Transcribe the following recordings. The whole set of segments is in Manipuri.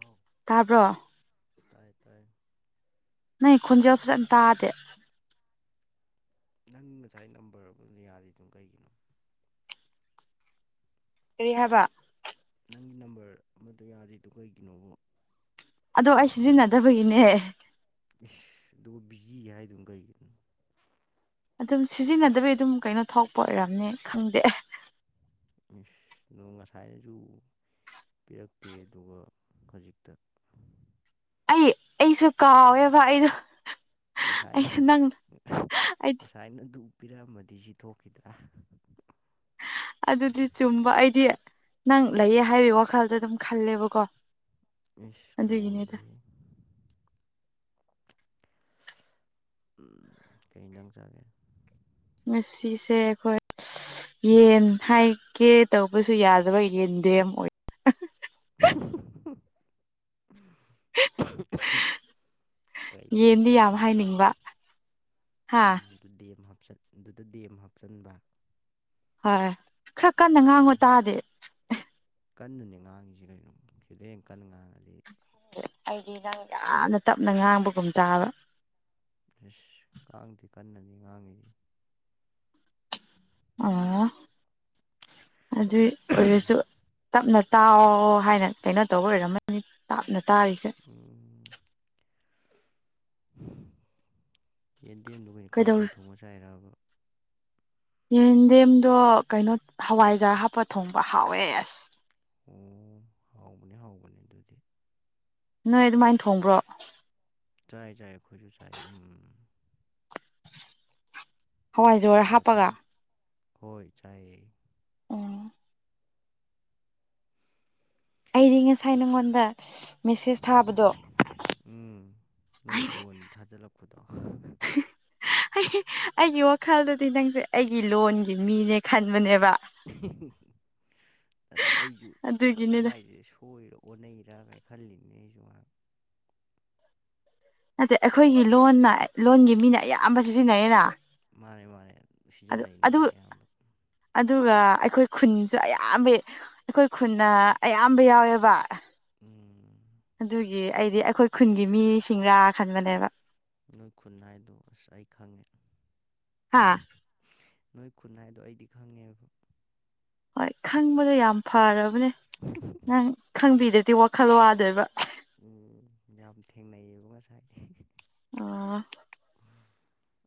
ꯑꯥꯎ ꯇꯥꯕ꯭ꯔꯣ ꯇꯥꯏ ꯇꯥꯏ ꯅꯣꯏ ꯈꯣꯟꯖꯦꯜ ꯐꯖꯅ ꯇꯥꯗꯦ ꯅꯪ ꯉꯁꯥꯏ ꯅꯝꯕꯔ ꯑꯃ ꯌꯥꯗ ꯑꯗꯨꯝ ꯀꯩꯒꯤꯅꯣ ꯑꯦꯔꯤꯍꯕ ꯅꯪꯒꯤ ꯅꯝꯕꯔ ꯑꯃꯗꯣ ꯌꯥꯗꯦꯗ ꯀꯩꯒꯤꯅꯣꯕ ꯑꯗꯣ ꯑꯩ ꯁꯤꯖꯤꯟꯅꯗꯕꯒꯤꯅꯦ ꯏꯁ ꯑꯗꯨꯒ ꯕꯤꯖꯤ ꯍꯥꯏꯗꯨꯅ ꯀꯔꯤꯒꯤꯅꯣ ꯑꯗꯨꯝ ꯁꯤꯖꯤꯟꯅꯗꯕꯩ ꯑꯗꯨꯝ ꯀꯩꯅꯣ ꯊꯣꯛꯄ ꯑꯣꯏꯔꯝꯅꯤ ꯈꯪꯗꯦ ꯑꯁ ꯅꯣꯡ ꯉꯁꯥꯏꯅꯖꯨ ꯄꯤꯔꯛꯇꯦ ꯑꯗꯨꯒ ꯈꯖꯤꯛꯇ ꯑꯩ ꯑꯩꯁꯨ ꯀꯥꯎꯋꯦꯕ ꯑꯩꯗꯣ ꯉꯁꯥꯏꯅ ꯑꯩꯁꯨ ꯅꯪ ꯑꯩꯗꯤ ꯄꯤꯔꯛꯑꯃꯝꯗꯤ ꯁꯤ ꯊꯣꯛꯈꯤꯗ꯭ꯔꯥ ꯑꯗꯨꯗꯤ ꯆꯨꯝꯕ ꯑꯩꯗꯤ ꯅꯪ ꯂꯩꯌꯦ ꯍꯥꯏꯕꯒꯤ ꯋꯥꯈꯜꯗ ꯑꯗꯨꯝ ꯈꯜꯂꯦꯕꯀꯣ ꯏꯁ ꯑꯗꯨꯒꯤꯅꯤꯗ ꯂꯏꯔ‌ꯦꯍ‌ꯦ ꯑꯝ ꯀꯩ ꯏꯟꯖꯥꯡ ꯆꯥꯒ‌ꯦ ꯉꯁꯤꯁꯦ ꯑꯩꯈꯣꯏ ꯌꯦꯟ ꯍꯥꯏꯒꯦ ꯇꯧꯕꯁꯨ ꯌꯥꯗꯕ ꯌꯦꯟꯗꯦꯝ ꯑꯣꯏ ꯑꯍꯝ ꯑꯍꯝ ꯀꯩ ꯌꯦꯟ ꯌꯦꯟꯗꯤ ꯗꯦꯝ ꯌꯥꯝ ꯀꯥꯡꯁꯣꯏ ꯍꯥꯏꯅꯤꯡꯕ ꯍꯥ ꯎꯝ ꯑꯗꯨꯗꯤ ꯆꯠ ꯑꯗꯨꯗ ꯗꯦꯝ ꯍꯥꯞꯆꯟꯕ ꯍꯣꯏ ꯈꯔ ꯀꯟꯅ ꯎꯝ ꯉꯥꯡꯉꫭ ꯇꯥꯗ‌ꯦ ꯀꯟꯅꯅꯦ ꯉꯥꯡꯉꯤꯖ‌ꯦ ꯀꯩꯅꫭ ꯁꯤꯗꯩ ꯍ‌ꯦꯟꯅ ꯀꯟꯅ ꯉꯥꯡꯉꯗꯤ ꯑꯩꯗꯤ ꯅꯪ ꯌꯥꯝꯅ ꯇꯞꯅ ꯉꯥꯡꯕꯒꯨꯝ ꯇꯥꯕ ꯏꯁꯁ ꯀꯡꯗ‌ꯦ ꯀꯟꯅꯅꯤ ꯉꯥꯡꯉꯤꯖꯤ ꯑ ꯑꯗꯨꯏ ꯑꯣꯏꯔꯁꯨ ꯇꯞꯅ ꯇꯥꯎꯑꯣ ꯍꯥꯏꯅ ꯀꯩꯅꯣ ꯇꯧꯕ ꯑꯣꯏꯔꯝꯃꯅꯤ ꯇꯞꯅ ꯇꯥꯔꯤꯁꯦ ꯎꯝ ꯌꯦꯟꯗꯦꯝꯗꯣ ꯀꯩꯅꫭ ꯀꯩꯗꯧꯔꯤ ꯀꯥꯡꯁꯣꯏ ꯊꯣꯡꯉ ꯆꯥꯏꯔꯕ ꯌꯦꯟꯗꯦꯝꯗꯣ ꯀꯩꯅꯣ ꯍꯋꯥꯏꯖꯥꯔ ꯍꯥꯞꯄ ꯊꯣꯡꯕ ꯍꯥꯎꯋꯦ ꯑꯁ ꯑꯣ ꯍꯥꯎꯕꯅꯦ ꯍꯥꯎꯕꯅꯦ ꯑꯗꯨꯗꯤ ꯅꯣꯏ ꯑꯗꯨꯃꯥꯏꯅ ꯊꯣꯡꯕ꯭ꯔꯣ ꯆꯥꯏ ꯆꯥꯏ ꯑꯩꯈꯣꯏꯁꯨ ꯆꯥꯏ ꯎꯝ ꯍꯋꯥꯏꯖꯔ ꯊꯣꯡꯉꯒ ꯆꯥꯏ ꯍꯥꯞꯄꯒ ꯍꯣꯏ ꯆꯥꯌ‌ꯦ ꯎꯝ ꯑꯩꯗꯤ ꯉꯁꯥꯏ ꯅꯪꯉꯣꯟꯗ ꯃꯦꯁꯦꯁ ꯊꯥꯕꯗꯣ ꯐꯨꯗꫭ ꯑꯩꯒꯤ ꯑꯩꯒꯤ ꯋꯥꯈꯜꯗꯗꯤ ꯅꯪꯁꯦ ꯑꯩꯒꯤ ꯂꯣꯟꯒꯤ ꯃꯤꯅꯦ ꯈꯟꯕꯅꯦꯕ ꯑꯩꯖꯨ ꯀꯩ ꯑꯗꯨꯒꯤꯅꯤꯗ ꯃꯥꯏꯖ‌ꯦ ꯁꯣꯏꯔꯣ ꯑꯣꯟ ꯅꯩꫪꯒꯥꯏ ꯈꯜꯂꯤꯅꯤ ꯑꯩꯖꯨ ꯉꯍꯥꯛ ꯅꯠꯇ‌ꯦ ꯑꯩꯈꯣꯏꯒꯤ ꯂꯣꯟꯅ ꯂꯣꯟꯒꯤ ꯃꯤꯅ ꯑꯌꯥꯝꯕ ꯁꯤꯖꯤꯟꯅꯩꯔ ꯃꯥꯅꯦ ꯃꯥꯅꯦ ꯁꯤꯖꯤꯟꯅꯩ ꯅꯣꯏꯅ ꯑꯌꯥꯝꯕ ꯑꯗꯨꯒ ꯑꯩꯈꯣꯏ ꯈꯨꯟꯁꯨ ꯑꯌꯥꯝꯕ ꯑꯩꯈꯣꯏ ꯈꯨꯟꯅ ꯑꯌꯥꯝꯕ ꯌꯥꯎꯋꯦꯕ ꯑꯗꯨꯒꯤ ꯑꯩꯗꯤ ꯑꯩꯈꯣꯏ ꯈꯨꯟꯒꯤ ꯃꯤ ꯁꯤꯡꯔꯥ ꯈꯟꯕꯅꯦꯕ ꯅꯣꯏ ꯈꯨꯟꯍꯥꯏꯗꯣ ꯑꯁ ꯑꯩ ꯈꯪꯉꯦ ꯍꯥꯥ ꯅꯣꯏ ꯈꯨꯟ ꯍꯥꯏꯗꯣ ꯑꯩꯗꯤ ꯈꯪꯉꯦꯕ ꯍꯣꯏ ꯈꯪꯕꯗꯣ ꯌꯥꯝ ꯐꯔꯕꯅꯦ ꯅꯪ ꯈꯪꯕꯤꯗꯗꯤ ꯋꯥꯈꯜ ꯋꯥ ꯋꯥꯗꫭꯏꯕ ꯎꯝ ꯌꯥꯝ ꯊꯦꯡꯅꯩꯌꯦꯕ ꯉꯁꯥꯏ ꯑ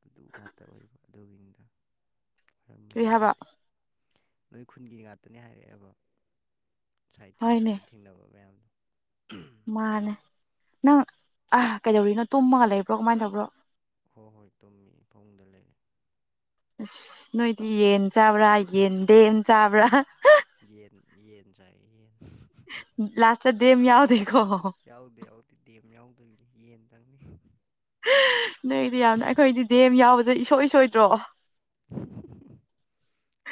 ꯑꯗꯨ ꯉꯥꯛꯇ ꯑꯣꯏꯕ ꯑꯗꯨꯒꯤꯗ ꯀꯔꯤ ꯑꯣꯏꯔꯝꯕꯅꯤ ꯍꯥꯏꯕ ꯑꯗꯨꯗꯤ ꯅꯣꯏ ꯈꯨꯟꯒꯤ ꯉꯥꯛꯇꯅꯦ ꯍꯥꯏꯔꯛꯑꯦꯕ ꯁꯥꯏ ꯍꯣꯏꯅꯦ ꯉꯁꯥꯏꯗꯒꯤ ꯊꯦꯡꯅꯕ ꯃꯌꯥꯝꯗꯣ ꯃꯥꯅꯦ ꯅꯪ ꯑ ꯀꯩꯗꯧꯔꯤꯅꯣ ꯇꯨꯝꯃꯒ ꯂꯩꯕ꯭ꯔꯣ ꯀꯃꯥꯏꯅ ꯇꯧꯕ꯭ꯔꯣ ꯍꯣꯏ ꯍꯣꯏ ꯇꯨꯝꯃꯤ ꯐꯕꯨꯡꯗ ꯂꯩꯔ‌ꯦ ꯑꯁ ꯅꯣꯏꯗꯤ ꯌꯦꯟ ꯆꯥꯕ꯭ꯔꯥ ꯌꯦꯟ ꯗꯦꯝ ꯆꯥꯕ꯭ꯔꯥ ꯌꯦꯟ ꯌꯦꯟ ꯆꯥꯏ ꯌꯦꯟ ꯂꯥꯁꯇ ꯗꯦꯝ ꯌꯥꯎꯗꯀꯣ ꯌꯥꯎꯗꯦ ꯌꯥꯎꯗꯦ ꯗꯦꯝ ꯌꯥꯎꯗꯕꯤꯅꯤ [inaudible] ꯅꯣꯏꯗꯤ ꯌꯥꯝꯅ ꯑꯩꯈꯣꯏꯗꯤ ꯗꯦꯝ ꯌꯥꯎꯕꯗ ꯏꯁꯣꯏ ꯁꯣꯏꯗ꯭ꯔꯣ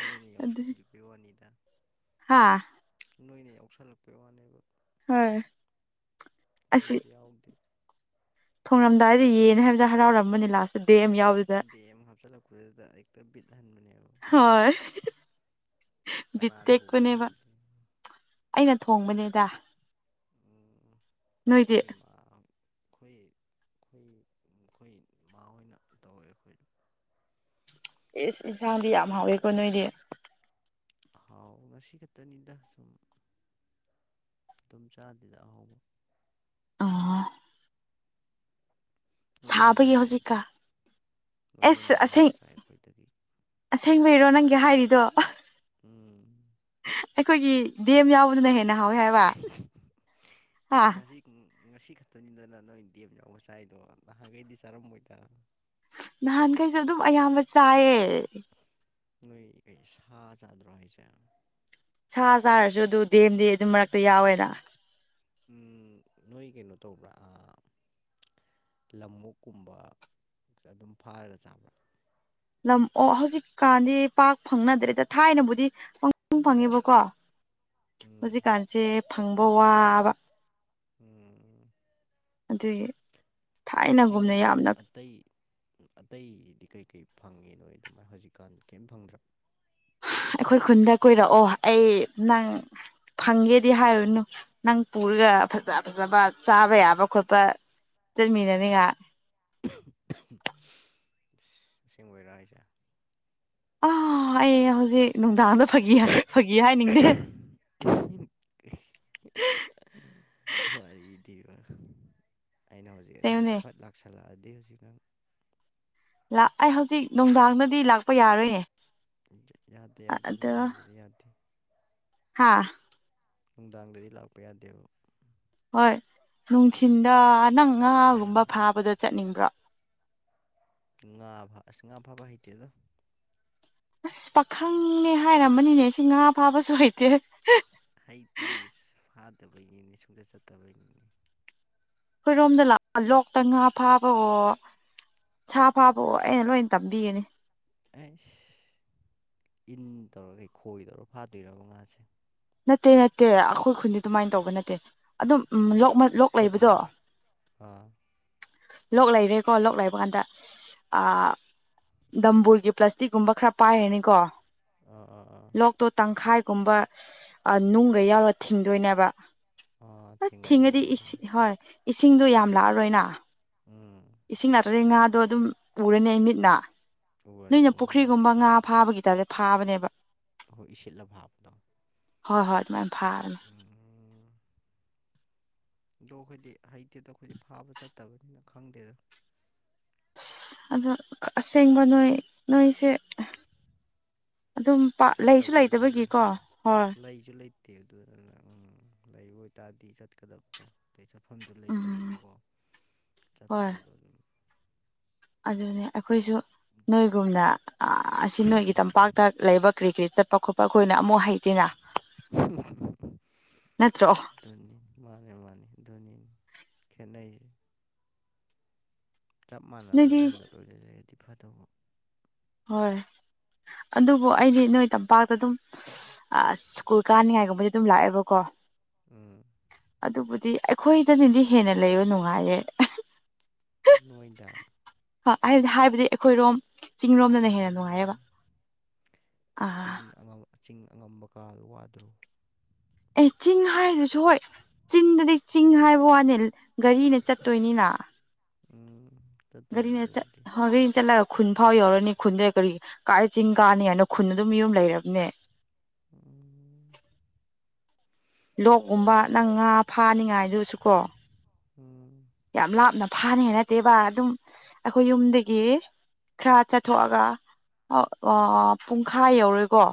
ꯅꯣꯏ ꯅ ꯑꯣꯁ ꯀ ꯀ ꯋꯥꯅꯤꯗ ꯍꯥꯥ ꯅꯣꯏꯅ ꯌꯥꯎꯁꯜꯂꯛꯄꯩ ꯋꯥꯅꯦꯕ ꯍꯣꯏ ꯑꯩꯈꯣꯏꯗꯤ ꯌꯥꯎꯗꯦ ꯊꯣꯡꯂꯝꯗꯥꯏꯗ ꯌꯦꯡꯅ ꯍꯥꯏꯕꯗ ꯍꯔꯥꯎꯔꯝꯃꯅꯤ ꯂꯥꯁ ꯑꯗ ꯗꯦꯝ ꯍꯥꯞꯆꯤꯜꯂꯛꯄꯗꯨꯗ ꯍꯦꯛꯇ ꯕꯤꯠ ꯍꯟꯕꯅꯦꯕ ꯍꯣꯏ ꯕꯤꯠ ꯀꯅꯥ ꯊꯣꯡꯒꯦ ꯇꯦꯛꯄꯅꯦꯕ ꯊꯣꯡꯕꯗꯦ ꯑꯩꯅ ꯊꯣꯡꯕꯅꯦꯗ ꯎꯝ ꯅꯣꯏꯗꯤ ꯅꯣꯏꯃꯥ ꯑꯩꯈꯣꯏ ꯑꯩꯈꯣꯏ ꯑꯩꯈꯣꯏ ꯏꯃꯥꯣꯏꯅ ꯇꯧꯋꯦ ꯑꯩꯈꯣꯏꯗ [inaudible] ꯑꯦꯁ ꯏꯟꯁꯥꯡꯗꯤ ꯌꯥꯝ ꯍꯥꯎꯋꯦꯀꯣ ꯅꯣꯏꯗꯤ ꯍꯥꯎ ꯉꯁꯤ ꯈꯛꯇꯅꯤꯗ ꯁꯨꯝ ꯇꯨꯆꯥ ꯍꯥꯗꯤꯗꯍꯣ ꯃ ꯑ ꯅꯣꯏꯅ ꯍꯦꯟꯅ ꯁꯥꯕꯒꯤ ꯍꯥꯎꯋꯤꯗ ꯍꯧꯖꯤꯛꯀꯥ ꯅꯣꯏꯅꯦꯅ ꯑꯦꯁ ꯑꯍꯥꯎꯕ ꯑꯁꯦꯡ ꯆꯥꯏ ꯑꯩꯈꯣꯏꯗꯒꯤ ꯑꯁꯦꯡꯕꯩꯔꯣ ꯅꯪꯒꯤ ꯍꯥꯏꯔꯤꯗꯣ ꯎꯝ ꯑꯩꯈꯣꯏꯒꯤ ꯗꯦꯝ ꯌꯥꯎꯕꯗꯨꯅ ꯍꯦꯟꯅ ꯍꯥꯎꯋꯦ ꯍꯥꯏꯕ ꯍꯥ ꯅꯪ ꯉꯁꯤ ꯉꯁꯤ ꯈꯛꯇꯅꯤꯗꯅ ꯅꯣꯏ ꯗꯦꯝ ꯌꯥꯎꯕ ꯆꯥꯏꯗꯣ ꯅꯍꯥꯟꯈꯩꯗꯤ ꯆꯥꯔꯝꯃꯣꯏꯗ ꯅꯍꯥꯟꯈꯩꯁꯨ ꯑꯗꯨꯝ ꯑꯌꯥꯝꯕ ꯆꯥꯏꯌꯦ ꯅꯣꯏ ꯀꯩ ꯁꯥ ꯆꯥꯗ꯭ꯔꫭ ꯍꯥꯏꯁꯦ ꯁꯥ ꯆꯥꯔꯁꯨ ꯑꯗꯨ ꯗꯦꯝꯗꯤ ꯑꯗꯨꯝ ꯃꯔꯛꯇ ꯌꯥꯎꯋꯦꯅ ꯅꯣꯏ ꯀꯩꯅꯣ ꯇꯧꯕ꯭ꯔꯥ ꯑꯥ ꯂꯃꯣꯛꯛꯀꯨꯝꯕ ꯑꯗꯨꯝ ꯐꯥꯔꯒ ꯆꯥꯕ꯭ꯔꯥ ꯂꯝ ꯑꯣꯛ ꯍꯧꯖꯤꯛꯀꯥꯟꯗꯤ ꯄꯥꯛ ꯐꯪꯅꯗ꯭ꯔꯦꯗ ꯊꯥꯏꯅꯕꯨꯗꯤ ꯄꯪꯪ ꯐꯪ ꯐꯪꯉꯦꯕꯀꯣ ꯎꯝ ꯍꯧꯖꯤꯛꯀꯥꯟꯁꯦ ꯐꯪꯕ ꯋꯥꯕ ꯎꯝ ꯑꯗꯨꯒꯤ ꯊꯥꯏꯅꯒꯨꯝꯅ ꯆꯤꯡꯗ ꯌꯥꯝꯅ ꯑꯇꯩ ꯑꯇꯩꯗꯤ ꯀꯩ ꯀꯩ ꯐꯪꯉꯤ ꯅꯣꯏ ꯑꯗꯨꯃꯥꯏꯅ ꯍꯧꯖꯤꯛꯀꯥꯟ ꯀꯩꯝ ꯐꯪꯗ꯭ꯔꫭ ꯑꯩꯈꯣꯏ ꯈꯨꯟꯗ ꯀꯨꯏꯔꯛꯑꯣ ꯑꯩ ꯅꯪ ꯐꯪꯒꯦꯗꯤ ꯍꯥꯏꯔꯨꯅꯨ ꯅꯪ ꯄꯨꯔꯒ ꯐꯖ ꯐꯖꯕ ꯆꯥꯕ ꯌꯥꯕ ꯈꯣꯠꯄ ꯆꯠꯃꯤꯟꯅ ꯅꯤꯉꯥꯏ ꯑꯁꯦꯡꯕꯔꫭ ꯍꯥꯏꯁꯦ ꯑꯥ ꯑꯩ ꯍꯧꯖꯤꯛ ꯅꯨꯡꯗꯥꯡꯗ ꯐꯒꯤ ꯐꯒꯤ ꯍꯥꯏꯅꯤꯡꯗꯦ ꯋꯥꯔꯤꯗꯤ ꯑꯩꯅ ꯍꯧꯖꯤꯛ ꯀꯩꯅꯣꯅꯦ ꯑꯁꯦꯡꯕ ꯐꯠ ꯂꯥꯛꯁꯜꯂꯛꯑꯗꯤ ꯍꯧꯖꯤꯛ ꯅꯪ ꯑꯩ ꯍꯧꯖꯤꯛ ꯅꯨꯡꯗꯥꯡꯗꯗꯤ ꯂꯥꯛꯄ ꯌꯥꯔꯣꯏꯅꯦ ꯌꯥꯗꯦ ꯌꯥꯗꯦ ꯑꯗꯣ ꯅꯨꯡꯗꯥꯡꯗꯗꯤ ꯌꯥꯗꯦ ꯍꯥ ꯅꯨꯡꯗꯥꯡꯗꯗꯤ ꯂꯥꯛꯄ ꯌꯥꯗꯦꯕ ꯍꯣꯏ ꯅꯨꯡꯊꯤꯟꯗ ꯅꯪ ꯉꯥꯒꯨꯝꯕ ꯎꯝ ꯐꯥꯕꯗꯣ ꯆꯠꯅꯤꯡꯕ꯭ꯔꯣ ꯉꯥ ꯐ ꯑꯁꯉꯥ ꯐꯥꯕ ꯍꯩꯇꯦꯗ ꯑꯁ ꯄꯥꯈꯪꯅꯦ ꯍꯥꯏꯔꯝꯕꯅꯤꯅꯦ ꯁꯤ ꯉꯥ ꯐꯥꯕꯁꯨ ꯍꯩꯇꯦ ꯍꯩꯇꯦ ꯏꯁ ꯐꯥꯗꯕꯩꯅꯤꯅ‌ꯦ ꯁꯨꯡꯆꯠ ꯆꯠꯇꯕꯒꯤꯅꯤ ꯑꯩꯈꯣꯏꯔꯣꯝꯗ ꯂꯥꯛ ꯂꯣꯛꯇ ꯉꯥ ꯐꯥꯕꯋꯣ ꯁꯥ ꯐꯥꯕꯑꯣ ꯑꯩꯅ ꯂꯣꯏ ꯇꯝꯕꯤꯒꯅꯤ ꯑꯩꯁ ꯏꯟ ꯇꯧꯔꯒ ꯈꯣꯏ ꯇꯧꯔ ꯐꯥꯗꯣꯏꯔꯕ ꯉꯥꯁꯦ ꯅꯠꯇꯦ ꯅꯠꯇꯦ ꯑꯩꯈꯣꯏ ꯈꯨꯟꯗꯤ ꯑꯗꯨꯃꯥꯏꯅ ꯇꯧꯕ ꯅꯠꯇꯦ ꯑꯗꯨꯝ ꯈꯨꯃꯠ ꯂꯣꯛ ꯂꯩꯕꯗꯣ ꯈꯨꯠꯅ ꯑꯥ ꯂꯣꯛ ꯂꯩꯔꯦꯀꯣ ꯂꯣꯛ ꯂꯩꯕ ꯀꯥꯟꯗ ꯑꯥ ꯗꯝꯕꯨꯔꯒꯤ ꯄ꯭ꯂꯥꯁꯇꯤꯛꯀꯨꯝꯕ ꯈꯔ ꯄꯥꯏꯔꯅꯤꯀꯣ ꯑꯥ ꯑꯥ ꯑꯥ ꯂꯣꯛꯇꯣ ꯇꯪꯈꯥꯏꯒꯨꯝꯕ ꯑꯥ ꯅꯨꯡꯒ ꯌꯥꯎꯔ ꯊꯤꯡꯗꯣꯏꯅꯦꯕ ꯑꯥ ꯍꯣꯏ ꯊꯦꯡꯉꯅꯤ ꯊꯤꯡꯉꯗꯤ ꯑꯥ ꯍꯣꯏ ꯏꯁꯤꯡꯗꯣ ꯌꯥꯝ ꯎꯝ ꯂꯥꯛꯑꯔꯣꯏꯅ ꯎꯝ ꯏꯁꯤꯡ ꯂꯛꯇꯔꯗ ꯉꯥꯗꯣ ꯑꯗꯨꯝ ꯎꯔꯅꯤ ꯑꯩ ꯃꯤꯠꯅ ꯎꯔꯅꯤ ꯅꯣꯏꯅ ꯎꯔꯅꯤ ꯄꯨꯈ꯭ꯔꯤꯒꯨꯝꯕ ꯉꯥ ꯐꯥꯕꯒꯤ ꯇꯥꯏꯞꯇ ꯐꯥꯕꯅꯦꯕ ꯍꯣꯏ ꯏꯁꯤꯠꯂ ꯐꯚꯥꯕꯗꫭ ꯍꯣꯏ ꯍꯣꯏ ꯑꯗꯨꯃꯥꯏ ꯐꯥꯕꯅꯦ ꯑꯗꯣ ꯑꯩꯈꯣꯏꯗꯤ ꯍꯩꯇꯦꯗꯣ ꯑꯩꯈꯣꯏꯗꯤ ꯐꯥꯕ ꯆꯠꯇꯕꯅꯤꯅ ꯈꯪꯗꯦꯗꯥ ꯑꯁ ꯑꯗꯣ ꯑꯁꯦꯡꯕ ꯅꯣꯏ ꯅꯣꯏꯁꯦ ꯑꯗꯨꯝ ꯂꯩꯁꯨ ꯆꯠꯇꯕꯩꯅꯦꯅꯦ ꯂꯩꯇꯕꯒꯤꯀꯣ ꯍꯣꯏ ꯂꯩꯁꯨ ꯂꯩꯇꯦ ꯑꯗꯨꯗꯨꯅ ꯎꯝ ꯂꯩꯕ ꯑꫭꯏꯇꯥꯔꯗꯤ ꯆꯠꯀꯗꯕꯗꯣꯇꯩ ꯆ ꯃꯐꯝꯗꯨ ꯎꯝ ꯂꯩꯇꯕꯅꯤꯅꯀꯣ ꯍꯣꯏ ꯆꯠꯇꯦꯕ ꯑꯗꯨꯝ ꯑꯗꯨꯅꯦ ꯑꯩꯈꯣꯏꯁꯨ ꯅꯣꯏꯒꯨꯝꯅ ꯑꯁꯤ ꯅꯣꯏꯒꯤ ꯇꯝꯄꯥꯛꯇ ꯂꯩꯕ ꯀ꯭ꯔꯤꯀꯔꯤꯠ ꯆꯠꯄ ꯈꯣꯠꯄ ꯑꯩꯈꯣꯏꯅ ꯑꯃꯨꯛ ꯍꯩꯇꯦꯅ ꯅꯠꯇ꯭ꯔꯣ ꯅꯤ ꯃꯥꯅꯦ ꯃꯥꯅꯤ ꯑꯥꯗꯨꯅꯤꯅ‌ꯦ ꯈꯦꯠꯅꯩ ꯆꯞ ꯃꯥꯟꯅꯕ ꯅꯣꯏꯗꯤ ꯃꯐꯝꯗ ꯂꯣꯏꯅ ꯂꯩꯔꯗꯤ ꯐꯗꯧꯕ ꯍꯣꯏ ꯑꯗꯨꯕꯨ ꯑꯩꯗꯤ ꯅꯣꯏ ꯇꯝꯄꯥꯛꯇ ꯑꯗꯨꯝ ꯑ ꯁ꯭ꯀꯨꯜ ꯀꯥꯅꯤꯡꯉꯥꯏꯒꯨꯝꯕꯗꯤ ꯑꯗꯨꯝ ꯂꯥꯛꯑꯦꯕꯀꯣ ꯎꯝ ꯑꯗꯨꯕꯨꯗꯤ ꯑꯩꯈꯣꯏꯗꯅꯦꯗꯤ ꯍꯦꯟꯅ ꯂꯩꯕ ꯅꯨꯡꯉꯥꯏꯌꯦ ꯅꯣꯏꯗ ꯍ ꯑꯩꯗꯤ ꯍꯥꯏꯕꯗꯤ ꯑꯩꯈꯣꯏꯔꯣꯝ ꯆꯤꯡꯔꯣꯝꯗꯅ ꯍꯦꯟꯅ ꯅꯨꯡꯉꯥꯏꯌꯦꯕ ꯎꯝ ꯑꯥ ꯆꯤꯡ ꯆꯤꯡ ꯑꯉꯝꯕ ꯀꯥꯗꯨ ꯋꯥꯗ꯭ꯔꯣ ꯑꯩ ꯆꯤꯡ ꯍꯥꯏꯔꯁꯨ ꯍꯣꯏ ꯆꯤꯟꯗꯗꯤ ꯆꯤꯡ ꯍꯥꯏꯕ ꯋꯥꯅꯤ ꯒꯥꯔꯤꯅ ꯆꯠꯇꯣꯏꯅꯤꯅ ꯎꯝ ꯆꯠꯇꯣꯏꯅꯤ ꯒꯥꯔꯤꯅ ꯆꯠꯏ ꯑꯗꯨꯕꯨꯗꯤ ꯒꯥꯔꯤꯅ ꯆꯠꯂꯒ ꯈꯨꯟ ꯐꯥꯎ ꯌꯧꯔꯅꯤ ꯈꯨꯟꯗ ꯀꯔꯤ ꯀꯥꯏ ꯆꯤꯡ ꯀꯥꯅꯤ ꯍꯥꯏꯅ ꯈꯨꯟꯅ ꯑꯗꯨꯝ ꯌꯨꯝ ꯂꯩꯔꯕꯅꯦ ꯎ ꯂꯣꯛꯀꯨꯝꯕ ꯅꯪ ꯉꯥ ꯐꯥꯅꯤꯉꯥꯏꯗꯨꯁꯨ ꯀꯣ ꯎꯝ ꯌꯥꯝ ꯂꯥꯞꯅ ꯐꯥꯅꯤ ꯅꯠꯇꯦꯕ ꯑꯗꯨꯝ ꯑꯩꯈꯣꯏ ꯌꯨꯝꯗꯒꯤ ꯈꯔ ꯆꯠꯊꯣꯛꯑꯒ ꯄꯨꯡꯈꯥꯏ ꯌꯧꯔꯣꯏꯀꯣ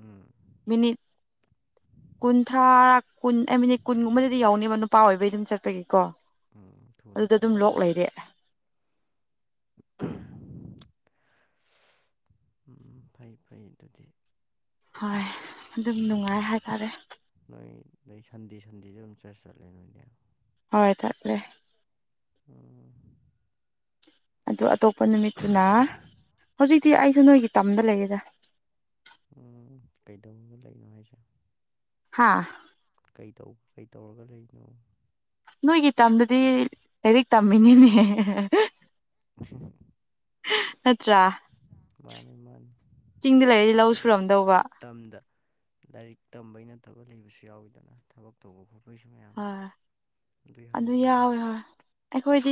ꯎꯝ ꯃꯤꯅꯤꯠ ꯀꯨꯟꯊ꯭ꯔꯥ ꯀꯨꯟ ꯑꯩ ꯃꯤꯅꯤꯠ ꯀꯨꯟꯒꯨꯝꯕꯗꯗꯤ ꯌꯥꯎꯅꯦꯕ ꯅꯨꯄꯥ ꯑꯣꯏꯕꯩ ꯑꯗꯨꯝ ꯆꯠꯄꯒꯤꯀꯣ ꯎꯝ ꯊꯨꯅ ꯑꯗꯨꯗ ꯑꯗꯨꯝ ꯂꯣꯛ ꯂꯩꯔꯦ ꯑꯥꯍꯝ ꯎꯝ ꯐꯩ ꯐꯩ ꯑꯗꯨꯗꯤ ꯍꯣꯏ ꯑꯗꯨꯝ ꯅꯨꯡꯉꯥꯏ ꯍꯥꯏꯇꯥꯔꯦ ꯑꯗꯩ ꯁꯟꯗꯦ ꯁꯟꯗꯦꯁꯨ ꯑꯗꯨꯝ ꯆꯔꯆ ꯆꯠꯂꯦ ꯅꯣꯏꯗꯤ ꯍꯣꯏ ꯇꯥꯛꯂꯦ ꯎꯝ ꯑꯗꯨ ꯑꯇꯣꯞꯄ ꯅꯨꯃꯤꯠꯇꯨꯅ ꯍꯧꯖꯤꯛꯇꯤ ꯑꯩꯁꯨ ꯅꯣꯏꯒꯤ ꯇꯝꯗ ꯂꯩꯌꯦꯗ ꯎꯝ ꯀꯩꯗꯧ ꯂꯩꯅꯣ ꯍꯥꯏꯁꯦ ꯍꯥꯥ ꯀꯩꯇꯧ ꯀꯩ ꯇꯧꯔꯒ ꯂꯩꯅꯣ ꯅꯣꯏꯒꯤ ꯇꯝꯗꯗꯤ ꯂꯥꯏꯔꯤꯛ ꯇꯝꯃꯤꯅꯤꯅꯦ [inaudible] ꯅꯠꯇ꯭ꯔꯥ ꯃꯥꯅꯤ ꯃꯥꯅꯤ ꯆꯤꯡꯗ ꯂꯩꯔꯗꯤ ꯂꯧ ꯑꯗꯣ ꯁꯨꯔꯝꯗꯧꯕ ꯇꯝꯗ ꯂꯥꯏꯔꯤꯛ ꯇꯝꯕꯩ ꯅꯠꯇꯕ ꯂꯩꯕꯁꯨ ꯌꯥꯎꯋꯤꯗꯅ ꯊꯕꯛ ꯇꯧꯕ ꯈꯣꯠ ꯑꯩꯈꯣꯏꯁꯨ ꯃꯌꯥꯝ ꯍꯣꯏ ꯑꯗꯨꯏ ꯑꯗꯨ ꯍꯪꯕꯅꯤꯗ ꯌꯥꯎꯋꯦ ꯍꯣꯏ ꯑꯩꯈꯣꯏꯗꯤ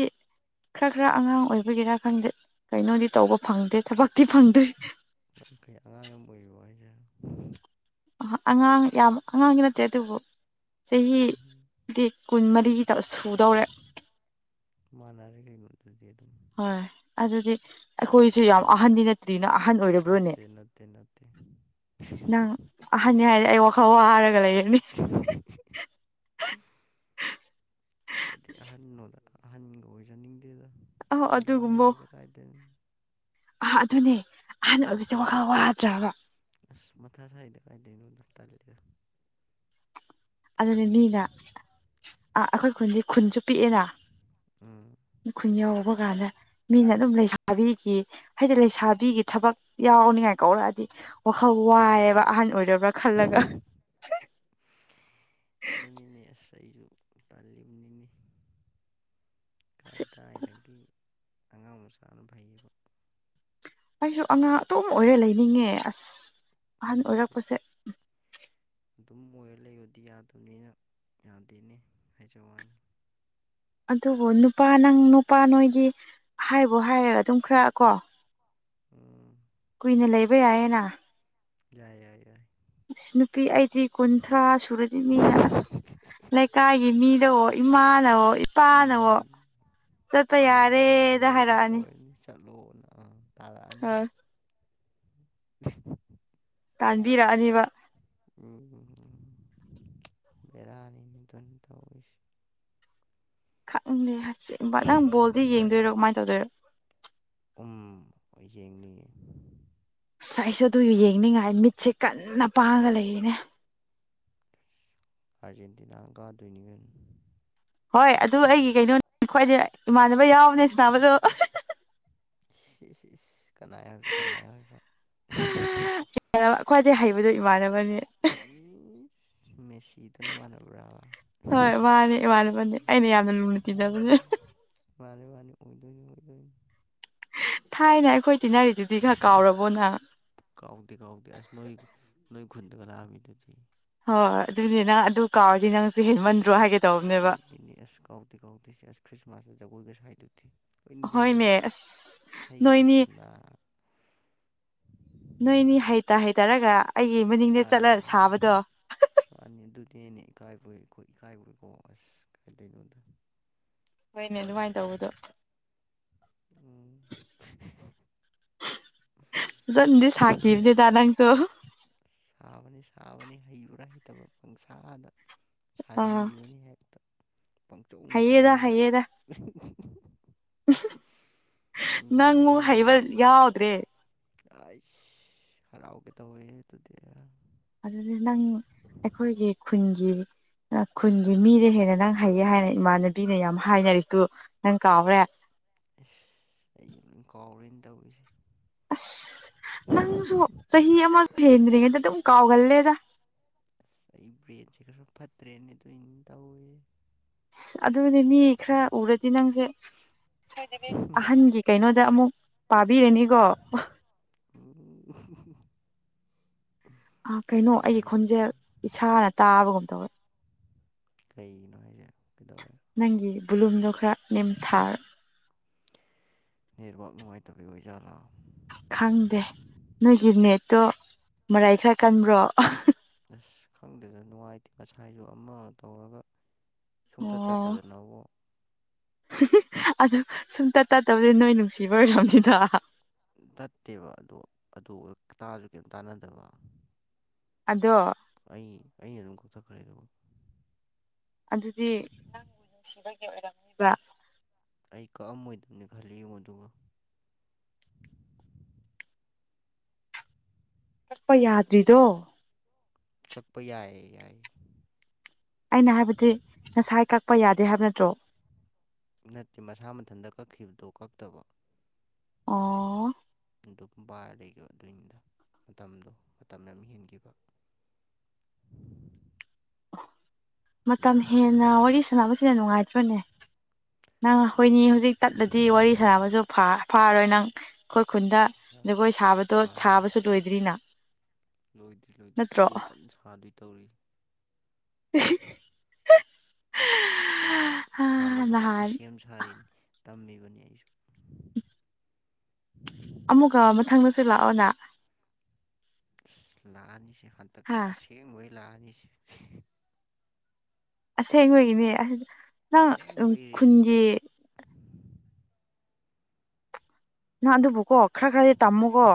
ꯈꯔ ꯈꯔ ꯑꯉꯥꯡ ꯑꯣꯏꯕꯒꯤꯔꯥ ꯈꯪꯗꯦ ꯀꯩꯅꯣꯗꯤ ꯇꯧꯕ ꯐꯪꯗꯦ ꯊꯕꯛꯇꯤ ꯐꯪꯗꯦ [unintelligible] ꯑꯉꯥꯡ ꯌꯥꯝ ꯑꯣꯏꯔꯤꯕ ꯍꯥꯏꯁꯦ ꯑꯉꯥꯡ ꯌꯥꯝ ꯑꯉꯥꯡꯒꯤ ꯅꯠꯇꯦ ꯑꯗꯨꯕꯨ ꯆꯍꯤꯗꯤ ꯀꯨꯟ ꯃꯔꯤꯗ ꯁꯨꯗꯧꯔꯦ ꯃꯥꯟꯅꯔꯦ ꯀꯩꯅꯣ ꯑꯗꯨꯗꯤ ꯑꯗꯨꯝ ꯍꯣꯏ ꯑꯗꯨꯗꯤ ꯑꯩꯈꯣꯏꯁꯨ ꯌꯥꯝ ꯑꯍꯟꯗꯤ ꯅꯠꯇ꯭ꯔꯤꯅ ꯑꯍꯟ ꯑꯣꯏꯔꯕ꯭ꯔꯣꯅꯦ ꯅꯠꯇꯦ ꯅꯠꯇꯦ ꯅꯠꯇꯦ ꯅꯪ ꯑꯍꯟꯅꯤ ꯍꯥꯏꯗꯤ ꯑꯩ ꯋꯥꯈꯜ ꯋꯥꯔꯒ ꯂꯩꯔꯅꯤ [inaudible] ꯀꯥꯏꯗꯩ ꯑꯍꯟꯅꯣꯗ ꯑꯍꯟꯒ ꯑꯣꯏꯖꯅꯤꯡꯗꯦꯗ ꯑ ꯇꯜꯂꯒꯟꯁꯤꯗ ꯀꯥꯏꯗꯩꯅ ꯑꯥ ꯑꯗꯨꯅꯦ ꯑꯍꯥꯟꯕ ꯑꯣꯏꯕꯁꯦ ꯋꯥꯈꯜ ꯋꯥꯗ꯭ꯔꯕ ꯑꯁ ꯃꯊꯥ ꯁꯥꯏꯗ ꯀꯥꯏꯗꯣꯏꯅꯣꯗ ꯇꯜꯂꯤꯗ ꯑꯗꯨꯅꯦ ꯑꯣꯏꯅꯤꯡꯗꯦ ꯃꯤꯅ ꯑꯥ ꯑꯩꯈꯣꯏ ꯈꯨꯟꯗꯤ ꯈꯨꯟꯁꯨ ꯄꯤꯛꯑꯦꯅ ꯎꯝ ꯈꯨꯟꯌꯥꯎꯕ ꯀꯥꯟꯗ ꯃꯤꯅ ꯑꯗꯨꯝ ꯂꯩꯁꯥꯕꯤꯈꯤ ꯍꯥꯏꯗꯤ ꯂꯩꯁꯥꯕꯤꯒꯤ ꯊꯕꯛ ꯌꯥꯎꯅꯤꯉꯥꯏ ꯀꯧꯔꯛꯑꯗꯤ ꯋꯥꯈꯜ ꯎꯝ ꯋꯥꯏꯑꯕ ꯑꯍꯟ ꯑꯣꯏꯔꯕ꯭ꯔꯥ ꯈꯜꯂꯒ ꯑꯗꯨꯅꯤꯅꯦ ꯑꯁ ꯑꯩꯁꯨ ꯇꯥꯜꯂꯤꯕ ꯅꯤꯅꯤ ꯀꯥꯏꯗꯥꯏꯗꯒꯤ ꯑꯉꯥꯡ ꯃꯆꯥꯅ ꯐꯩꯌꯦꯕ ꯑꯩꯁꯨ ꯑꯉꯥꯡ ꯑꯇꯨꯝ ꯑꯣꯏꯔꯦ ꯂꯩꯅꯤꯡꯉꯦ ꯑꯁ ꯑꯍꯟ ꯏꯃꯨꯡꯗꯣ ꯑꯣꯏꯔꯛꯄꯁꯦ ꯎ ꯑꯗꯨꯝ ꯑꯣꯏꯔ ꯂꯩꯕꯗꯤ ꯌꯥꯗꯕꯅꯤꯅ ꯌꯥꯗꯦꯅꯦ ꯍꯥꯏꯖ ꯋꯥꯅꯤ ꯑꯗꯨꯕꯨ ꯅꯨꯄꯥ ꯅꯪ ꯅꯨꯄꯥ ꯅꯣꯏꯗꯤ ꯍꯥꯏꯕꯨ ꯍꯥꯏꯔꯒ ꯑꯗꯨꯝ ꯈꯔꯀꯣ ꯎꯝ ꯀꯨꯏꯅ ꯂꯩꯕ ꯌꯥꯏꯌꯦꯅ ꯌꯥꯏ ꯌꯥꯏ ꯌꯥꯏ ꯑꯁ ꯅꯨꯄꯤ ꯑꯩꯗꯤ ꯀꯨꯟꯊ꯭ꯔꯥ ꯁꯨꯔꯗꯤ ꯃꯤꯅ ꯑꯁ ꯂꯩꯀꯥꯏꯒꯤ ꯃꯤ ꯀꯗ ꯏꯃꯥꯅꯋꯣ ꯏꯄꯥꯅꯋꯣ ꯎꯝ ꯆꯠꯄ ꯌꯥꯔꯦ ꯂꯥꯏꯔꯤꯛ ꯂꯣꯏꯔꯗꯤ ꯆꯠꯂꯣꯅ ꯇꯥꯔꯛꯑꯅꯤ ꯑꯥ [inaudible] ꯇꯥꯟꯕꯤꯔꯛꯑꯅꯤꯕ ꯎꯝ ꯕꯦꯔꯥꯅꯤꯅꯤ ꯑꯗꯨꯝ ꯇꯧꯋꯁꯤ ꯈꯡꯅꯦ ꯑꯁꯦꯡꯕ ꯅꯪ ꯕꯣꯜꯗꯤ ꯌꯦꯡꯗꯣꯏꯔꯣ ꯀꯃꯥꯏꯅ ꯇꯧꯗꯣꯏꯔꯣ ꯎꯝ ꯌꯦꯡꯅꯤꯡꯌꯦ ꯑꯁ ꯑꯩꯁꯨ ꯑꯗꯨ ꯌꯦꯡꯅꯤꯡꯉꯥꯏ ꯃꯤꯠꯁꯦ ꯀꯟꯅ ꯄꯥꯡꯉꯒ ꯂꯩꯔꯤꯅꯦ ꯑꯔꯖꯦꯟꯇꯤꯅꯥꯅ ꯀꯗꯣꯏꯅꯤ ꯀꯩꯅ ꯍꯣꯏ ꯑꯗꯨ ꯑꯩꯒꯤ ꯀꯩꯅꯣꯅꯤ ꯈ꯭ꯋꯥꯏꯗ ꯏꯃꯥꯟꯅꯕ ꯌꯥꯎꯕꯅꯦ ꯁꯅꯥꯕꯗꯣ ꯏꯁ ꯏꯁ ꯏꯁ ꯀꯅꯥ ꯌꯥꯎꯏꯕ ꯀꯅꯥ ꯌꯥꯎꯏꯕ ꯈ꯭ꯋꯥꯏꯗꯩ ꯍꯩꯕꯗꯣ ꯏꯃꯥꯟꯅꯕꯅꯦ ꯃꯦꯁꯤꯗꯣ ꯅꯃꯥꯟꯅꯕꯔꯥ ꯍꯣꯏ ꯃꯥꯅꯦ ꯏꯃꯥꯟꯅꯕꯅꯦ ꯑꯩꯅ ꯌꯥꯝꯅ ꯂꯨꯅ ꯎꯝ ꯇꯤꯟꯅꯕꯅꯦ ꯃꯥꯅꯤ ꯃꯥꯅꯤ ꯑꯣꯏꯗꯣꯏꯅꯤ ꯑꯣꯏꯗꯣꯏꯅꯤ ꯊꯥꯏꯅ ꯑꯩꯈꯣꯏ ꯇꯤꯟꯅꯔꯤꯗꯨꯗꯤ ꯈꯔ ꯀꯥꯎꯔꯕꯣ ꯅꯪ ꯀꯥꯎꯗꯦ ꯀꯥꯎꯗꯦ ꯑꯁ ꯅꯣꯏ ꯅꯣꯏ ꯈꯨꯟꯗꯒ ꯂꯥꯑꯝꯃꯤꯗꯨꯗꯤ ꯍꯣꯏ ꯑꯗꯨꯅꯤ ꯅ ꯑꯗꯨ ꯀꯥꯎꯔꯗꯤ ꯅꯪꯁꯨꯦ ꯍꯦꯟꯃꯟ ꯑꯗꯨꯗꯤꯅꯤ ꯑꯁ ꯀꯥꯎꯗꯦ ꯀꯥꯎꯗꯦꯁ ꯑꯁ ꯈ꯭ꯔꯤꯁꯃꯥꯁꯇ ꯖꯒꯣꯏꯒꯁꯨ ꯍꯥꯏꯗꯗꯦ ꯑꯩꯈꯣꯏ ꯅꯤꯡ ꯆꯪꯉꯤ ꯍꯣꯏꯅꯦ ꯑꯁ ꯏꯁꯩꯒꯤ ꯅꯣꯏꯅꯤ ꯁꯛꯇꯗ ꯅꯣꯏꯅꯤ ꯍꯩꯇꯥ ꯍꯩ ꯇꯔꯒ ꯃꯥꯅꯤ ꯋꯥꯅꯤ ꯑꯗꯨꯗꯤꯅꯤ ꯀꯥꯏ ꯕꯣꯏ ꯑꯩꯈꯣꯏ ꯏꯀꯥꯏꯕꯣꯏꯀꯣ ꯑꯁ ꯀꯥꯏꯗꯩꯅꯣꯗ ꯍꯣꯏꯅꯦ ꯑꯗꯨꯃꯥꯏꯅ ꯇꯧꯕꯗꯣ ꯎꯝ ꯑꯗꯨꯟꯗꯤ ꯁꯥꯈꯤꯕꯅꯦꯦꯗ ꯅꯪꯁꯨ ꯁꯥꯕꯅꯤ ꯁꯥꯕꯅꯤ ꯍꯩꯕ꯭ꯔꯥ ꯍꯩꯇꯕ꯭ꯔꯥ ꯄꯪꯁꯥꯗ ꯑꯥ ꯁꯥꯖꯤꯟꯒꯅꯤ ꯍꯦꯛꯇ ꯄꯪꯆꯧ ꯅꯨꯡ ꯍꯩꯌꯦꯗ ꯆꯣꯡꯉꯒ ꯍꯩꯌꯦꯗ ꯎꯝ ꯅꯪ ꯍꯩꯕꯜ ꯌꯥꯎꯗ꯭ꯔꯦ ꯑꯁ ꯍꯔꯥꯎꯒꯦ ꯇ ꯑꯣꯏꯦ ꯑꯗꯨꯗꯤ ꯅꯪ ꯑꯩꯈꯣꯏꯒꯤ ꯈꯨꯟꯒꯤ [unintelligible] ꯈꯨꯟꯒꯤ ꯃꯤꯗ ꯍꯦꯟꯅ ꯅꯪ ꯍꯩꯌꯦ ꯍꯥꯏꯅ ꯏꯃꯥꯟꯅꯕꯤꯅ ꯌꯥꯝ ꯍꯥꯏꯅꯔꯤꯗꯨꯨ ꯅꯪ ꯀꯥꯎꯔꯦ ꯏꯁꯁ ꯑꯩ ꯂꯣꯏ ꯀꯥꯎꯔꯤꯦꯅ ꯇꯧꯔꯤꯁꯦ ꯑꯁ ꯅꯪꯁꯨ ꯆꯍꯤ ꯑꯃꯒ ꯍꯦꯟꯗ꯭ꯔꯤꯉꯩꯗ ꯑꯗꯨꯝ ꯀꯥꯎꯒꯜꯂꯦꯗ ꯑꯁ ꯑꯩ ꯕ꯭ꯔꯦꯟꯁꯦ ꯈꯔꯁꯨ ꯐꯠꯇ꯭ꯔꯦꯅꯦ ꯑꯗꯨ ꯑꯅ ꯇꯧꯋꯦ ꯑ ꯑꯗꯨꯅꯦ ꯃꯤ ꯈꯔ ꯎꯔꯗꯤ ꯅꯪꯁꯦ ꯑꯍꯟꯒꯤ ꯀꯩꯅꯣ ꯑꯃꯨꯛ ꯄꯥꯕꯤꯔꯦꯅꯤꯀꯣ ꯑꯣ ꯑ ꯀꯩꯅꯣ ꯑꯩꯒꯤ ꯈꯣꯟꯖꯦꯜ ꯏꯁꯥꯅ ꯇꯥꯕꯒꯨꯝ ꯇꯧꯋꯦ ꯀꯩꯒꯤꯅꯣ ꯍꯥꯏꯁꯦ ꯀꯩꯗꯧꯔꯦ ꯅꯪꯒꯤ ꯕꯕꯨꯂꯨꯝꯗꯣ ꯈꯔ ꯅꯦꯝꯊꯥꯔ ꯌꯦꯔꯕꯥꯛ ꯅꯨꯡꯉꯥꯏꯇꯕꯤ ꯑꯣꯏꯖꯥꯠꯂꯥ ꯈꯪꯗꯦ ꯅꯣꯏꯒꯤ ꯃꯦꯠꯇꯣ ꯃꯔꯥꯏ ꯈꯔ ꯀꯟꯕ꯭ꯔꯣ ꯑꯁ ꯈꯪꯗꯦꯗ ꯅꯨꯡꯉꯥꯏꯇꯦ ꯉꯁꯥꯏꯁꯨ ꯑꯃ ꯇꯧꯔꯒ ꯁꯨꯡꯇ ꯑꯣ ꯇꯠꯇꯗꯅꯕꯨ ꯑꯗꯨ ꯁꯨꯝꯇꯠ ꯇꯠꯇꯕꯗꯤ ꯅꯣꯏ ꯅꯨꯡꯁꯤꯕ ꯑꯣꯏꯔꯝꯅꯤꯗ ꯇꯠꯇꯦꯕ ꯑꯗꯣ ꯑꯗꯨ ꯇꯥꯁꯨ ꯀꯔꯤꯝ ꯇꯥꯟꯅꯗꯕ ꯑꯗꯣ ꯑꯩ ꯑꯩꯅ ꯑꯗꯨꯝ ꯀꯣꯛꯊꯈ꯭ꯔꯦ ꯑꯗꯨꯕꯨ ꯑꯗꯨꯗꯤ ꯅꯪꯕꯨ ꯅꯨꯡꯁꯤꯕꯒꯤ ꯑꯣꯏꯔꯝꯃꯤꯕ ꯑꯩ ꯀꯛꯑꯝꯃꯣꯏꯗꯕꯅꯤ ꯈꯜꯂꯤ ꯌꯦꯉꯣ ꯑꯗꯨꯒꯒ ꯀꯛꯄ ꯌꯥꯗ꯭ꯔꯤꯗꯣ ꯀꯛꯄ ꯌꯥꯏꯌꯦ ꯌꯥꯏꯌꯦ ꯑꯩꯅ ꯍꯥꯏꯕꯗꯤ ꯉꯁꯥꯏ ꯀꯛꯄ ꯌꯥꯗꯦ ꯍꯥꯏꯕ ꯅꯠꯇ꯭ꯔꯣ ꯅꯠꯇꯦ ꯃꯁꯥ ꯃꯊꯟꯇ ꯀꯛꯈꯤꯕꯗꯣ ꯀꯛꯇꯕ ꯑ ꯑꯗꯨ ꯕꯥꯔ ꯑꯗꯨꯅꯤꯗ ꯃꯇꯝꯗꯣ ꯃꯇꯝ ꯌꯥꯝ ꯍꯦꯟꯈꯤꯕ [inaudible] ꯃꯇꯝ ꯑꯗꯨꯗꯣ ꯍꯦꯟꯅ ꯋꯥꯔꯤ ꯁꯥꯟꯅꯕꯁꯤꯗ ꯅꯨꯡꯉꯥꯏꯇ꯭ꯔꯅꯦ ꯅꯪ ꯑꯩꯈꯣꯏꯅꯤ ꯍꯧꯖꯤꯛ ꯇꯠꯂꯗꯤ ꯋꯥꯔꯤ ꯁꯥꯟꯅꯕꯁꯨ ꯐꯥꯔꯣꯏ ꯅꯪ ꯑꯩꯈꯣꯏ ꯈꯨꯟꯗ ꯖꯒꯣꯏ ꯁꯥꯕꯗꯣ ꯁꯥꯕꯁꯨ ꯂꯣꯏꯗ꯭ꯔꯤꯅ ꯂꯣꯏꯗ꯭ꯔꯤ ꯂꯣꯏꯗ꯭ꯔꯤ ꯅꯠꯇ꯭ꯔꯣ ꯖꯒꯣꯏ ꯀꯟꯅ ꯁꯥꯗꯣꯏ ꯇꯧꯔꯤ ꯀꯟꯅ ꯍꯥ ꯁꯥꯅꯕ ꯀꯟꯅ ꯅꯍꯥꯟ ꯁꯦꯝ ꯁꯥꯔꯤꯅꯤ ꯇꯝꯃꯤꯅꯤ ꯑꯃꯨꯛꯀ ꯃꯊꯪꯗꯁꯨ ꯂꯥꯛꯑꯣꯅ ꯑꯁ ꯂꯥꯛꯑꯅꯤꯁꯦ ꯍꯟꯗꯛꯇꯤ ꯍꯥ ꯑꯁꯦꯡꯕꯩ ꯂꯥꯛꯑꯅꯤꯁꯦ ꯑꯁꯦꯡꯕꯒꯤꯅꯦ ꯅꯪ ꯑꯁꯦꯡꯕꯩ ꯈꯨꯟꯒꯤ ꯅꯪ ꯑꯗꯨꯕꯨꯀꯣ ꯈꯔ ꯈꯔꯗꯤ ꯇꯝꯃꯨꯀꯣ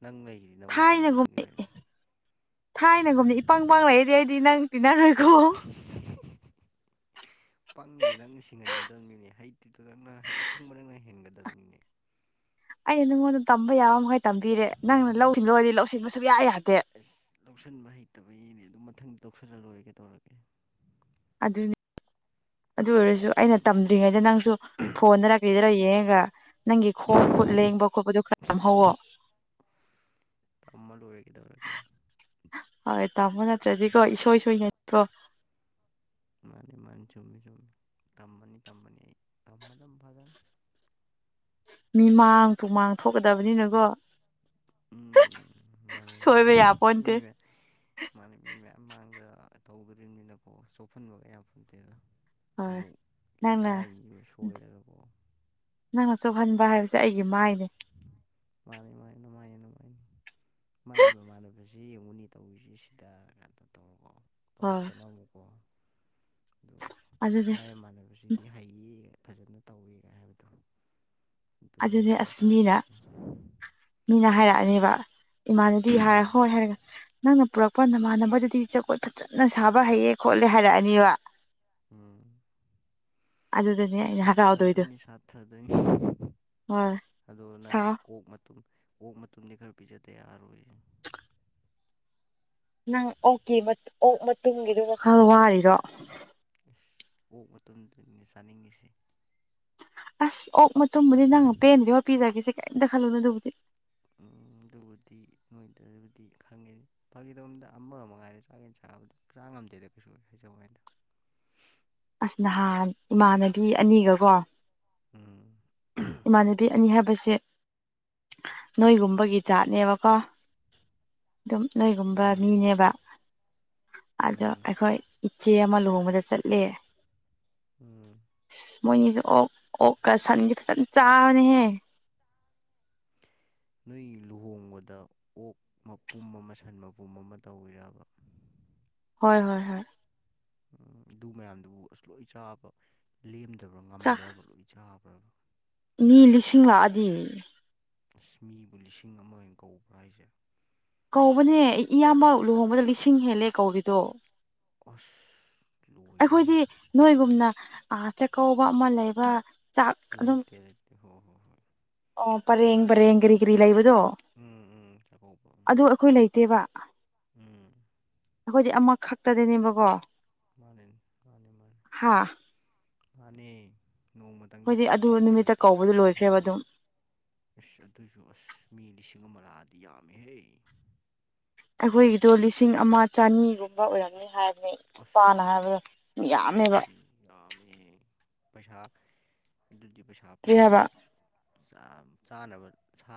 ꯎꯝ ꯅꯪ ꯂꯩꯔꯤꯗꯤ ꯅꯪꯉꯣꯟꯗ ꯊꯥꯏꯅꯒꯨꯝ ꯇꯝꯍꯟꯗꯣꯏꯅꯤ ꯀꯩꯅꯣ ꯊꯥꯏꯅꯒꯨꯝꯅꯤ ꯏꯄꯡ ꯏꯄꯡ ꯂꯩꯗꯤ ꯑꯩꯗꯤ ꯅꯪ ꯇꯤꯟꯅꯔꯣꯏꯀ ꯍꯍꯍꯍ ꯄꯪꯉꯁꯦ ꯅꯪꯅ ꯁꯤꯡꯍꯟꯒꯗꯕꯅꯤꯅꯦ ꯍꯩꯇꯗꯤꯗꯨ ꯅꯪꯅ ꯈꯪꯕ ꯅꯪꯅ ꯍꯦꯟꯒꯗꯕꯅꯤꯅꯦ [inaudible] ꯑꯩꯅ ꯅꯪꯉꯣꯟꯗ ꯇꯝꯕ ꯌꯥꯕꯃꯩ ꯇꯝꯕꯤꯔꯦ ꯅꯪꯅ ꯂꯧꯁꯤꯡꯗꯔꯗꯤ ꯂꯧꯁꯤꯡꯕꯁꯨ ꯌꯥ ꯑꯁ ꯂꯧꯁꯤꯟꯕ ꯍꯩꯇꯕꯒꯤꯅꯦ ꯑꯗꯨꯝ ꯃꯊꯪꯗ ꯔꯧꯁꯜꯂꯂꯣꯏꯒꯦ ꯀꯩꯗꯩꯒꯦ ꯑꯗꯨꯅꯦ ꯑꯗꯨ ꯑꯣꯏꯔꯁꯨ ꯑꯩꯅ ꯎꯝ ꯇꯝꯗ꯭ꯔꯤꯉꯩꯗ ꯅꯪꯁꯨ ꯐꯣꯟꯗꯅ ꯀꯩꯗꯔ ꯌꯦꯡꯉꯒ ꯈꯔ ꯅꯪꯒꯤ ꯈꯣꯡ ꯈꯨꯠ ꯂꯦꯡꯕꯗ ꯈꯣꯠꯄꯗꯨ ꯈꯔ ꯇꯝꯍꯧꯑꯋꯣ ꯇꯝꯃ ꯂꯣꯏꯔꯦ ꯀꯩꯗꯧꯔꯒꯦ ꯍꯣꯏ ꯇꯥꯃꯣ ꯅꯠꯇ꯭ꯔꯗꯤꯀꯣ ꯏꯁꯣꯏ ꯁꯣꯏꯅꯤ ꯀꯣ ꯃꯥꯅꯤ ꯃꯥꯅꯤ ꯆꯨꯝꯃꯤ ꯆꯨꯝꯃꯤ ꯇꯝꯃꯅꯤ ꯇꯝꯃꯅꯤ ꯑꯩ ꯇꯝꯃꯥꯗꯝ ꯐꯖꯅꯥ [inaudible] ꯃꯤ ꯃꯥꯡ ꯇꯨꯃꯥꯡꯗ ꯊꯣꯛꯀꯗꯕꯅꯤꯅꯀꯣ ꯎꯝ ꯃꯥꯅꯤ ꯁꯣꯏꯕ ꯃꯥꯅꯤ ꯃꯤ ꯌꯥꯄꯣꯟꯇꯦ ꯃꯥꯅꯤ ꯃꯤ ꯃꯃꯥꯡꯗ ꯇꯧꯗꯣꯔꯤꯕꯅꯤꯅꯀꯣ ꯆꯑꯛꯐꯟꯕ ꯀꯌꯥ ꯌꯥꯄꯑꯠꯇꯦꯗ ꯍꯣꯏ ꯅꯪꯅ ꯁꯣꯏꯔꯒꯀꯣ ꯅꯪꯅ ꯆꯑꯍꯟꯕ ꯍꯥꯏꯁꯤ ꯑꯩꯒꯤ ꯃꯥꯏꯅꯦ ꯀꯑ ꯃꯥꯅꯦ ꯃꯥꯅꯦ ꯃꯥꯅ ꯃꯥꯥꯏꯅꯤ ꯃꯥ ꯃꯥꯅꯦ ꯁꯤ ꯌꯦꯡꯉꯨꯅꯤ ꯇꯧꯔꯤꯁꯤꯡ ꯁꯤꯗ ꯀꯥꯏꯇ ꯍꯣꯏ ꯇꯧꯔꯛꯛꯇꯅ ꯑꯃꯨꯛꯀꯣ ꯑꯗ ꯑꯗꯨꯅꯦ ꯁꯨꯃꯥꯏ ꯃꯃꯥꯟꯅꯕꯁꯤꯗꯤ ꯍꯩꯌꯦ ꯐꯖꯅ ꯇꯧꯋꯦꯒ ꯍꯥꯏꯅꯕꯗꯣ ꯑꯗꯨꯅꯦ ꯑꯁ ꯃꯤꯅꯒ ꯃꯤꯅ ꯍꯥꯏꯔꯛꯑꯅꯦꯕ ꯏꯃꯥꯅꯕꯤ ꯍꯥꯏꯔ ꯍꯣꯏ ꯍꯥꯏꯔꯒ ꯅꯪꯅ ꯄꯨꯔꯛꯄ ꯅꯃꯥꯟꯅꯕꯗꯨꯗꯤ ꯖꯒꯣꯏ ꯐꯖꯅ ꯁꯥꯕ ꯍꯩꯑꯩ ꯈꯣꯠꯂꯦ ꯍꯥꯏꯔꯛꯑꯅꯤꯕ ꯅꯪ ꯎꯝ ꯑꯗꯨꯗꯅꯦ ꯑꯩꯅ ꯍꯔꯥꯎꯗꯣꯏꯗꯣ ꯁꯥꯠꯊꯗꯣꯏꯅꯤ ꯁꯥꯠꯊꯗꯣꯏꯅꯤ ꯍꯣꯏ ꯑꯗꯨꯣ ꯅꯪ ꯁꯥꯎ ꯑꯥꯛ ꯃꯇꯨꯝ ꯑꯣꯛ ꯃꯇꯨꯝꯗꯤ ꯈꯔ ꯄꯤꯖꯗ ꯌꯥꯔꯣꯏ ꯀꯑ ꯅꯪ ꯑꯣꯛꯀꯤ ꯑꯣꯛ ꯃꯇꯨꯡꯒꯤꯗꯨ ꯈꯜꯂꯒ ꯋꯥꯈꯜ ꯋꯥꯔꯤꯔꯣ ꯑꯣꯛ ꯃꯇꯝꯗꯤ ꯑꯩꯅ ꯆꯥꯅꯤꯡꯉꯤꯁꯦ ꯑꯁ ꯑꯣꯛ ꯃꯇꯨꯝꯕꯨꯗꯤ ꯅꯪ ꯄꯦꯟꯗꯔꯤ ꯄꯤꯖꯒꯦꯁꯦ ꯀꯩꯝꯇ ꯈꯜꯂꯨꯅ ꯑꯗꯨꯕꯨꯗꯤ ꯑꯝ ꯑꯗꯨꯕꯨꯗꯤ ꯃꯣꯏꯗꯕꯨꯗꯤ ꯈꯪꯉꯦ ꯐꯥꯒꯤꯇꯧꯕꯅꯤꯗ ꯑꯃꯒꯨꯝꯕ ꯃꯉꯥꯏꯗ ꯆꯥꯒꯦꯅ ꯆꯥꯕꯗꯤ ꯆꯥ ꯉꯝꯗꯦ ꯗ ꯀꯃꯔꯁꯨꯃꯣꯏꯗ [unintelligible] ꯑꯁ ꯅꯍꯥꯟ ꯏꯃꯥꯟꯅꯕꯤ ꯑꯅꯤꯒꯀꯣ ꯎꯝ ꯏꯃꯥꯟꯅꯕꯤ ꯑꯅꯤ ꯍꯥꯏꯕꯁꯦ ꯀꯌꯥ ꯅꯣꯏꯒꯨꯝꯕꯒꯤ ꯖꯥꯠꯅꯦꯕꯥꯀꯣ ꯑꯗꯨꯝ ꯅꯣꯏꯒꯨꯝꯕ ꯎꯝ ꯃꯤꯅꯦꯕꯥ ꯀ ꯑꯗꯣ ꯎꯝ ꯑꯩꯈꯣꯏ ꯏꯆꯦ ꯑꯃ ꯂꯨꯍꯣꯡꯕꯗꯥ ꯆꯠꯂꯦ ꯎꯝ ꯃꯣꯏꯅꯤꯁꯨ ꯑꯣꯛ ꯑꯣꯛꯀꯥ ꯁꯟꯒꯥ ꯐꯖꯅ ꯆꯥꯕꯅꯦꯍꯦ ꯅꯣꯏꯒꯤ ꯂꯨꯍꯣꯡꯕꯗ ꯑꯣꯛ ꯃꯄꯨꯝ ꯑꯃ ꯁꯟ ꯃꯄꯨꯝ ꯑꯃ ꯇꯧꯔꯤꯔꯕ [inaudible] ꯍꯣꯏ ꯍꯣꯏ ꯍꯣꯏ ꯅꯩ ꯑꯗꯨ ꯃꯌꯥꯝꯗꯨꯕꯨ ꯑꯁ ꯂꯣꯏ ꯆꯥꯕ ꯂꯦꯝꯗꯕ꯭ꯔꯥꯕꯥ ꯆꯥ ꯉꯃ꯭ꯔꯕ ꯂꯣꯏ ꯆꯥꯕꯕꯨ ꯃꯤ ꯂꯤꯁꯤꯡ ꯂꯥꯛꯑꯗꯤ ꯑ ꯃꯤꯕꯨ ꯂꯤꯁꯤꯡ ꯑꯃ ꯑꯣꯏꯅ ꯀꯧꯕ꯭ꯔꯥꯅꯩ ꯍꯥꯏꯁꯤꯕꯨ ꯀꯧꯕꯅꯦ ꯑꯩꯒꯤ ꯏꯌꯥꯝꯕ ꯂꯨꯍꯣꯡꯕꯗ ꯂꯤꯁꯤꯡ ꯍꯦꯜꯂꯦ ꯀꯧꯔꯤꯗꯣ ꯑꯣꯁ ꯑꯩꯈꯣꯏꯗꯤ ꯅꯣꯏꯒꯨꯝꯅ ꯆꯥꯛꯀꯧꯕ ꯑꯃ ꯂꯩꯕ ꯆꯥꯛ ꯑꯗꯨꯝ ꯂꯩꯇꯦ ꯂꯩꯇ ꯍꯣ ꯍꯣꯏ ꯍꯣꯏ ꯑꯣ ꯄꯔꯦ ꯄꯔꯦꯡꯔꯛ꯭ꯔꯔꯤ ꯂꯩꯕ ꯑꯗꯣ ꯎꯝ ꯎꯝ ꯆꯥꯛꯀꯧꯕ ꯎꯝ ꯑꯗꯨ ꯑꯩꯈꯣꯏ ꯂꯩꯇꯦꯕ ꯎꯝ ꯑꯩꯈꯣꯏꯗꯤ ꯑꯃ ꯈꯛꯇꯗꯅꯦꯕꯀꯣ ꯃꯥꯅꯤ ꯃꯥꯅꯤ ꯃꯥꯅꯤ ꯃꯥꯅꯤ ꯍꯣꯏꯗꯤ ꯑꯗꯨ ꯅꯨꯃꯤꯠꯇ ꯀꯧꯕꯗꯨ ꯂꯣꯏꯈ꯭ꯔꯦꯕ ꯑꯗꯨꯝ ꯑꯁ ꯑꯗꯨꯁꯨ ꯑꯁ ꯃꯤ ꯂꯤꯁꯤꯡ ꯑꯃ ꯂꯥꯗꯤ ꯌꯥꯝꯃꯦꯍꯦ ꯑꯩꯈꯣꯏꯒꯤꯗꯣ ꯂꯤꯁꯤꯡ ꯑꯃ ꯆꯅꯤꯒꯨꯝꯕ ꯑꯣꯏꯔꯝꯅꯤ ꯍꯥꯏꯕ ꯑꯁ ꯌꯥꯝꯃꯦꯕ ꯌꯥꯃꯦ ꯄꯁꯥꯞ ꯗꯨꯖ ꯄꯦꯁꯥꯞ ꯀꯔꯤ ꯐꯅ ꯍꯥꯏꯕ ꯆꯥꯅꯕ ꯁꯥ